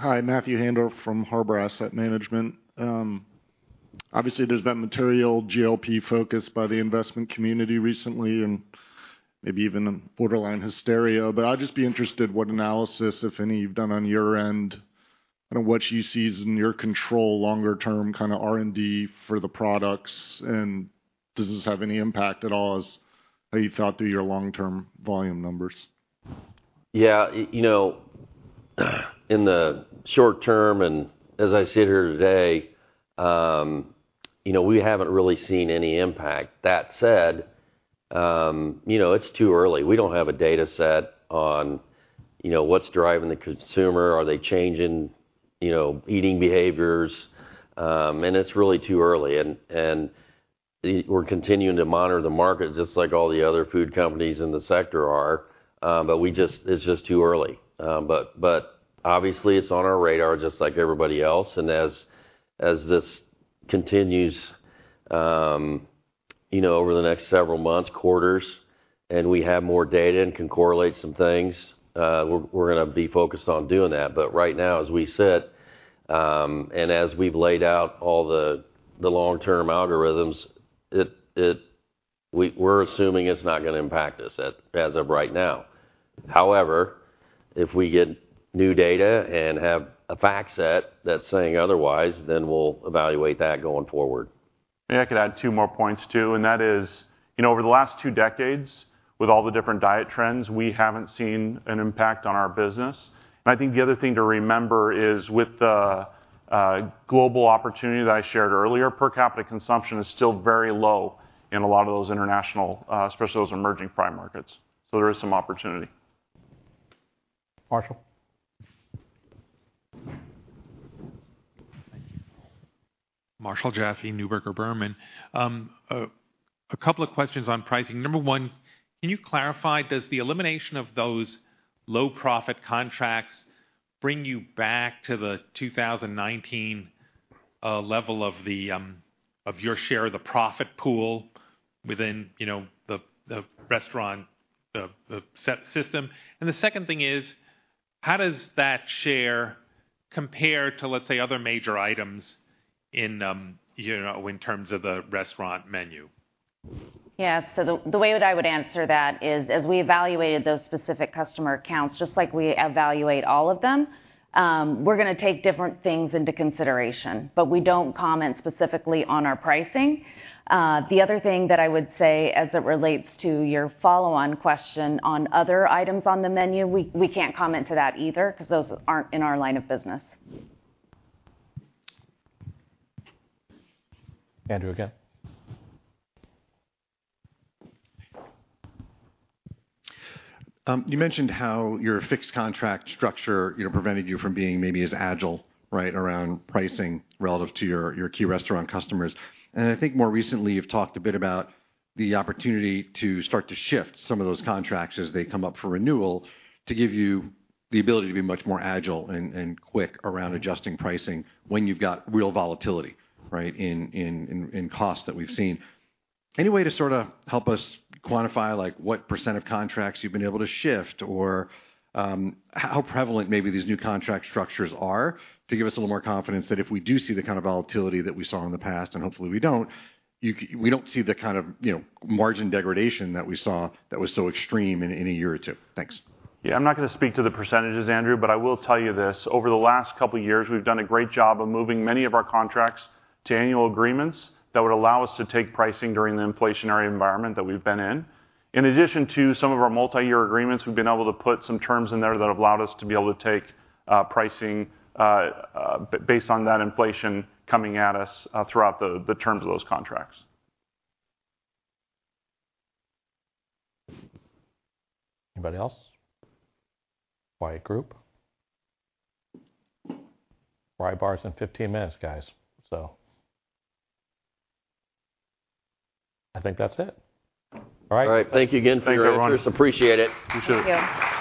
Hi, Matthew Handorf from Harber Asset Management. Obviously, there's been material GLP focus by the investment community recently, and maybe even a borderline hysteria. But I'd just be interested, what analysis, if any, you've done on your end, and what you see is in your control longer term, kind of R&D for the products, and does this have any impact at all as how you thought through your long-term volume numbers? Yeah, you know, in the short term, and as I sit here today, you know, we haven't really seen any impact. That said, you know, it's too early. We don't have a data set on, you know, what's driving the consumer? Are they changing, you know, eating behaviors? And it's really too early, and we're continuing to monitor the market just like all the other food companies in the sector are, but we just-- it's just too early. But, but obviously, it's on our radar just like everybody else. And as this continues, you know, over the next several months, quarters, and we have more data and can correlate some things, we're, we're gonna be focused on doing that. But right now, as we sit, and as we've laid out all the long-term algorithms, it—we're assuming it's not gonna impact us, as of right now. However, if we get new data and have a fact set that's saying otherwise, then we'll evaluate that going forward. Yeah, I could add two more points, too, and that is, you know, over the last two decades, with all the different diet trends, we haven't seen an impact on our business. I think the other thing to remember is, with the global opportunity that I shared earlier, per capita consumption is still very low in a lot of those international, especially those emerging prime markets. So there is some opportunity. Marshall? Thank you. Marshall Jaffe, Neuberger Berman. A couple of questions on pricing. Number one, can you clarify, does the elimination of those low-profit contracts bring you back to the 2019 level of your share of the profit pool within, you know, the restaurant QSR system? And the second thing is, how does that share compare to, let's say, other major items in, you know, in terms of the restaurant menu? Yeah, so the way that I would answer that is, as we evaluated those specific customer accounts, just like we evaluate all of them, we're gonna take different things into consideration. But we don't comment specifically on our pricing. The other thing that I would say, as it relates to your follow-on question on other items on the menu, we can't comment to that either, 'cause those aren't in our line of business. Andrew, again. You mentioned how your fixed contract structure, you know, prevented you from being maybe as agile, right, around pricing relative to your key restaurant customers. And I think more recently, you've talked a bit about the opportunity to start to shift some of those contracts as they come up for renewal, to give you the ability to be much more agile and quick around adjusting pricing when you've got real volatility, right, in costs that we've seen. Any way to sort of help us quantify, like, what % of contracts you've been able to shift, or how prevalent maybe these new contract structures are? To give us a little more confidence that if we do see the kind of volatility that we saw in the past, and hopefully we don't, we don't see the kind of, you know, margin degradation that we saw that was so extreme in a year or two. Thanks. Yeah, I'm not gonna speak to the percentages, Andrew, but I will tell you this. Over the last couple of years, we've done a great job of moving many of our contracts to annual agreements that would allow us to take pricing during the inflationary environment that we've been in. In addition to some of our multiyear agreements, we've been able to put some terms in there that have allowed us to be able to take pricing based on that inflation coming at us throughout the terms of those contracts. Anybody else? Quiet group. Fry bars in 15 minutes, guys, so I think that's it. All right. All right. Thank you again for your interest. Thanks, everyone. Appreciate it. You, too. Thank you.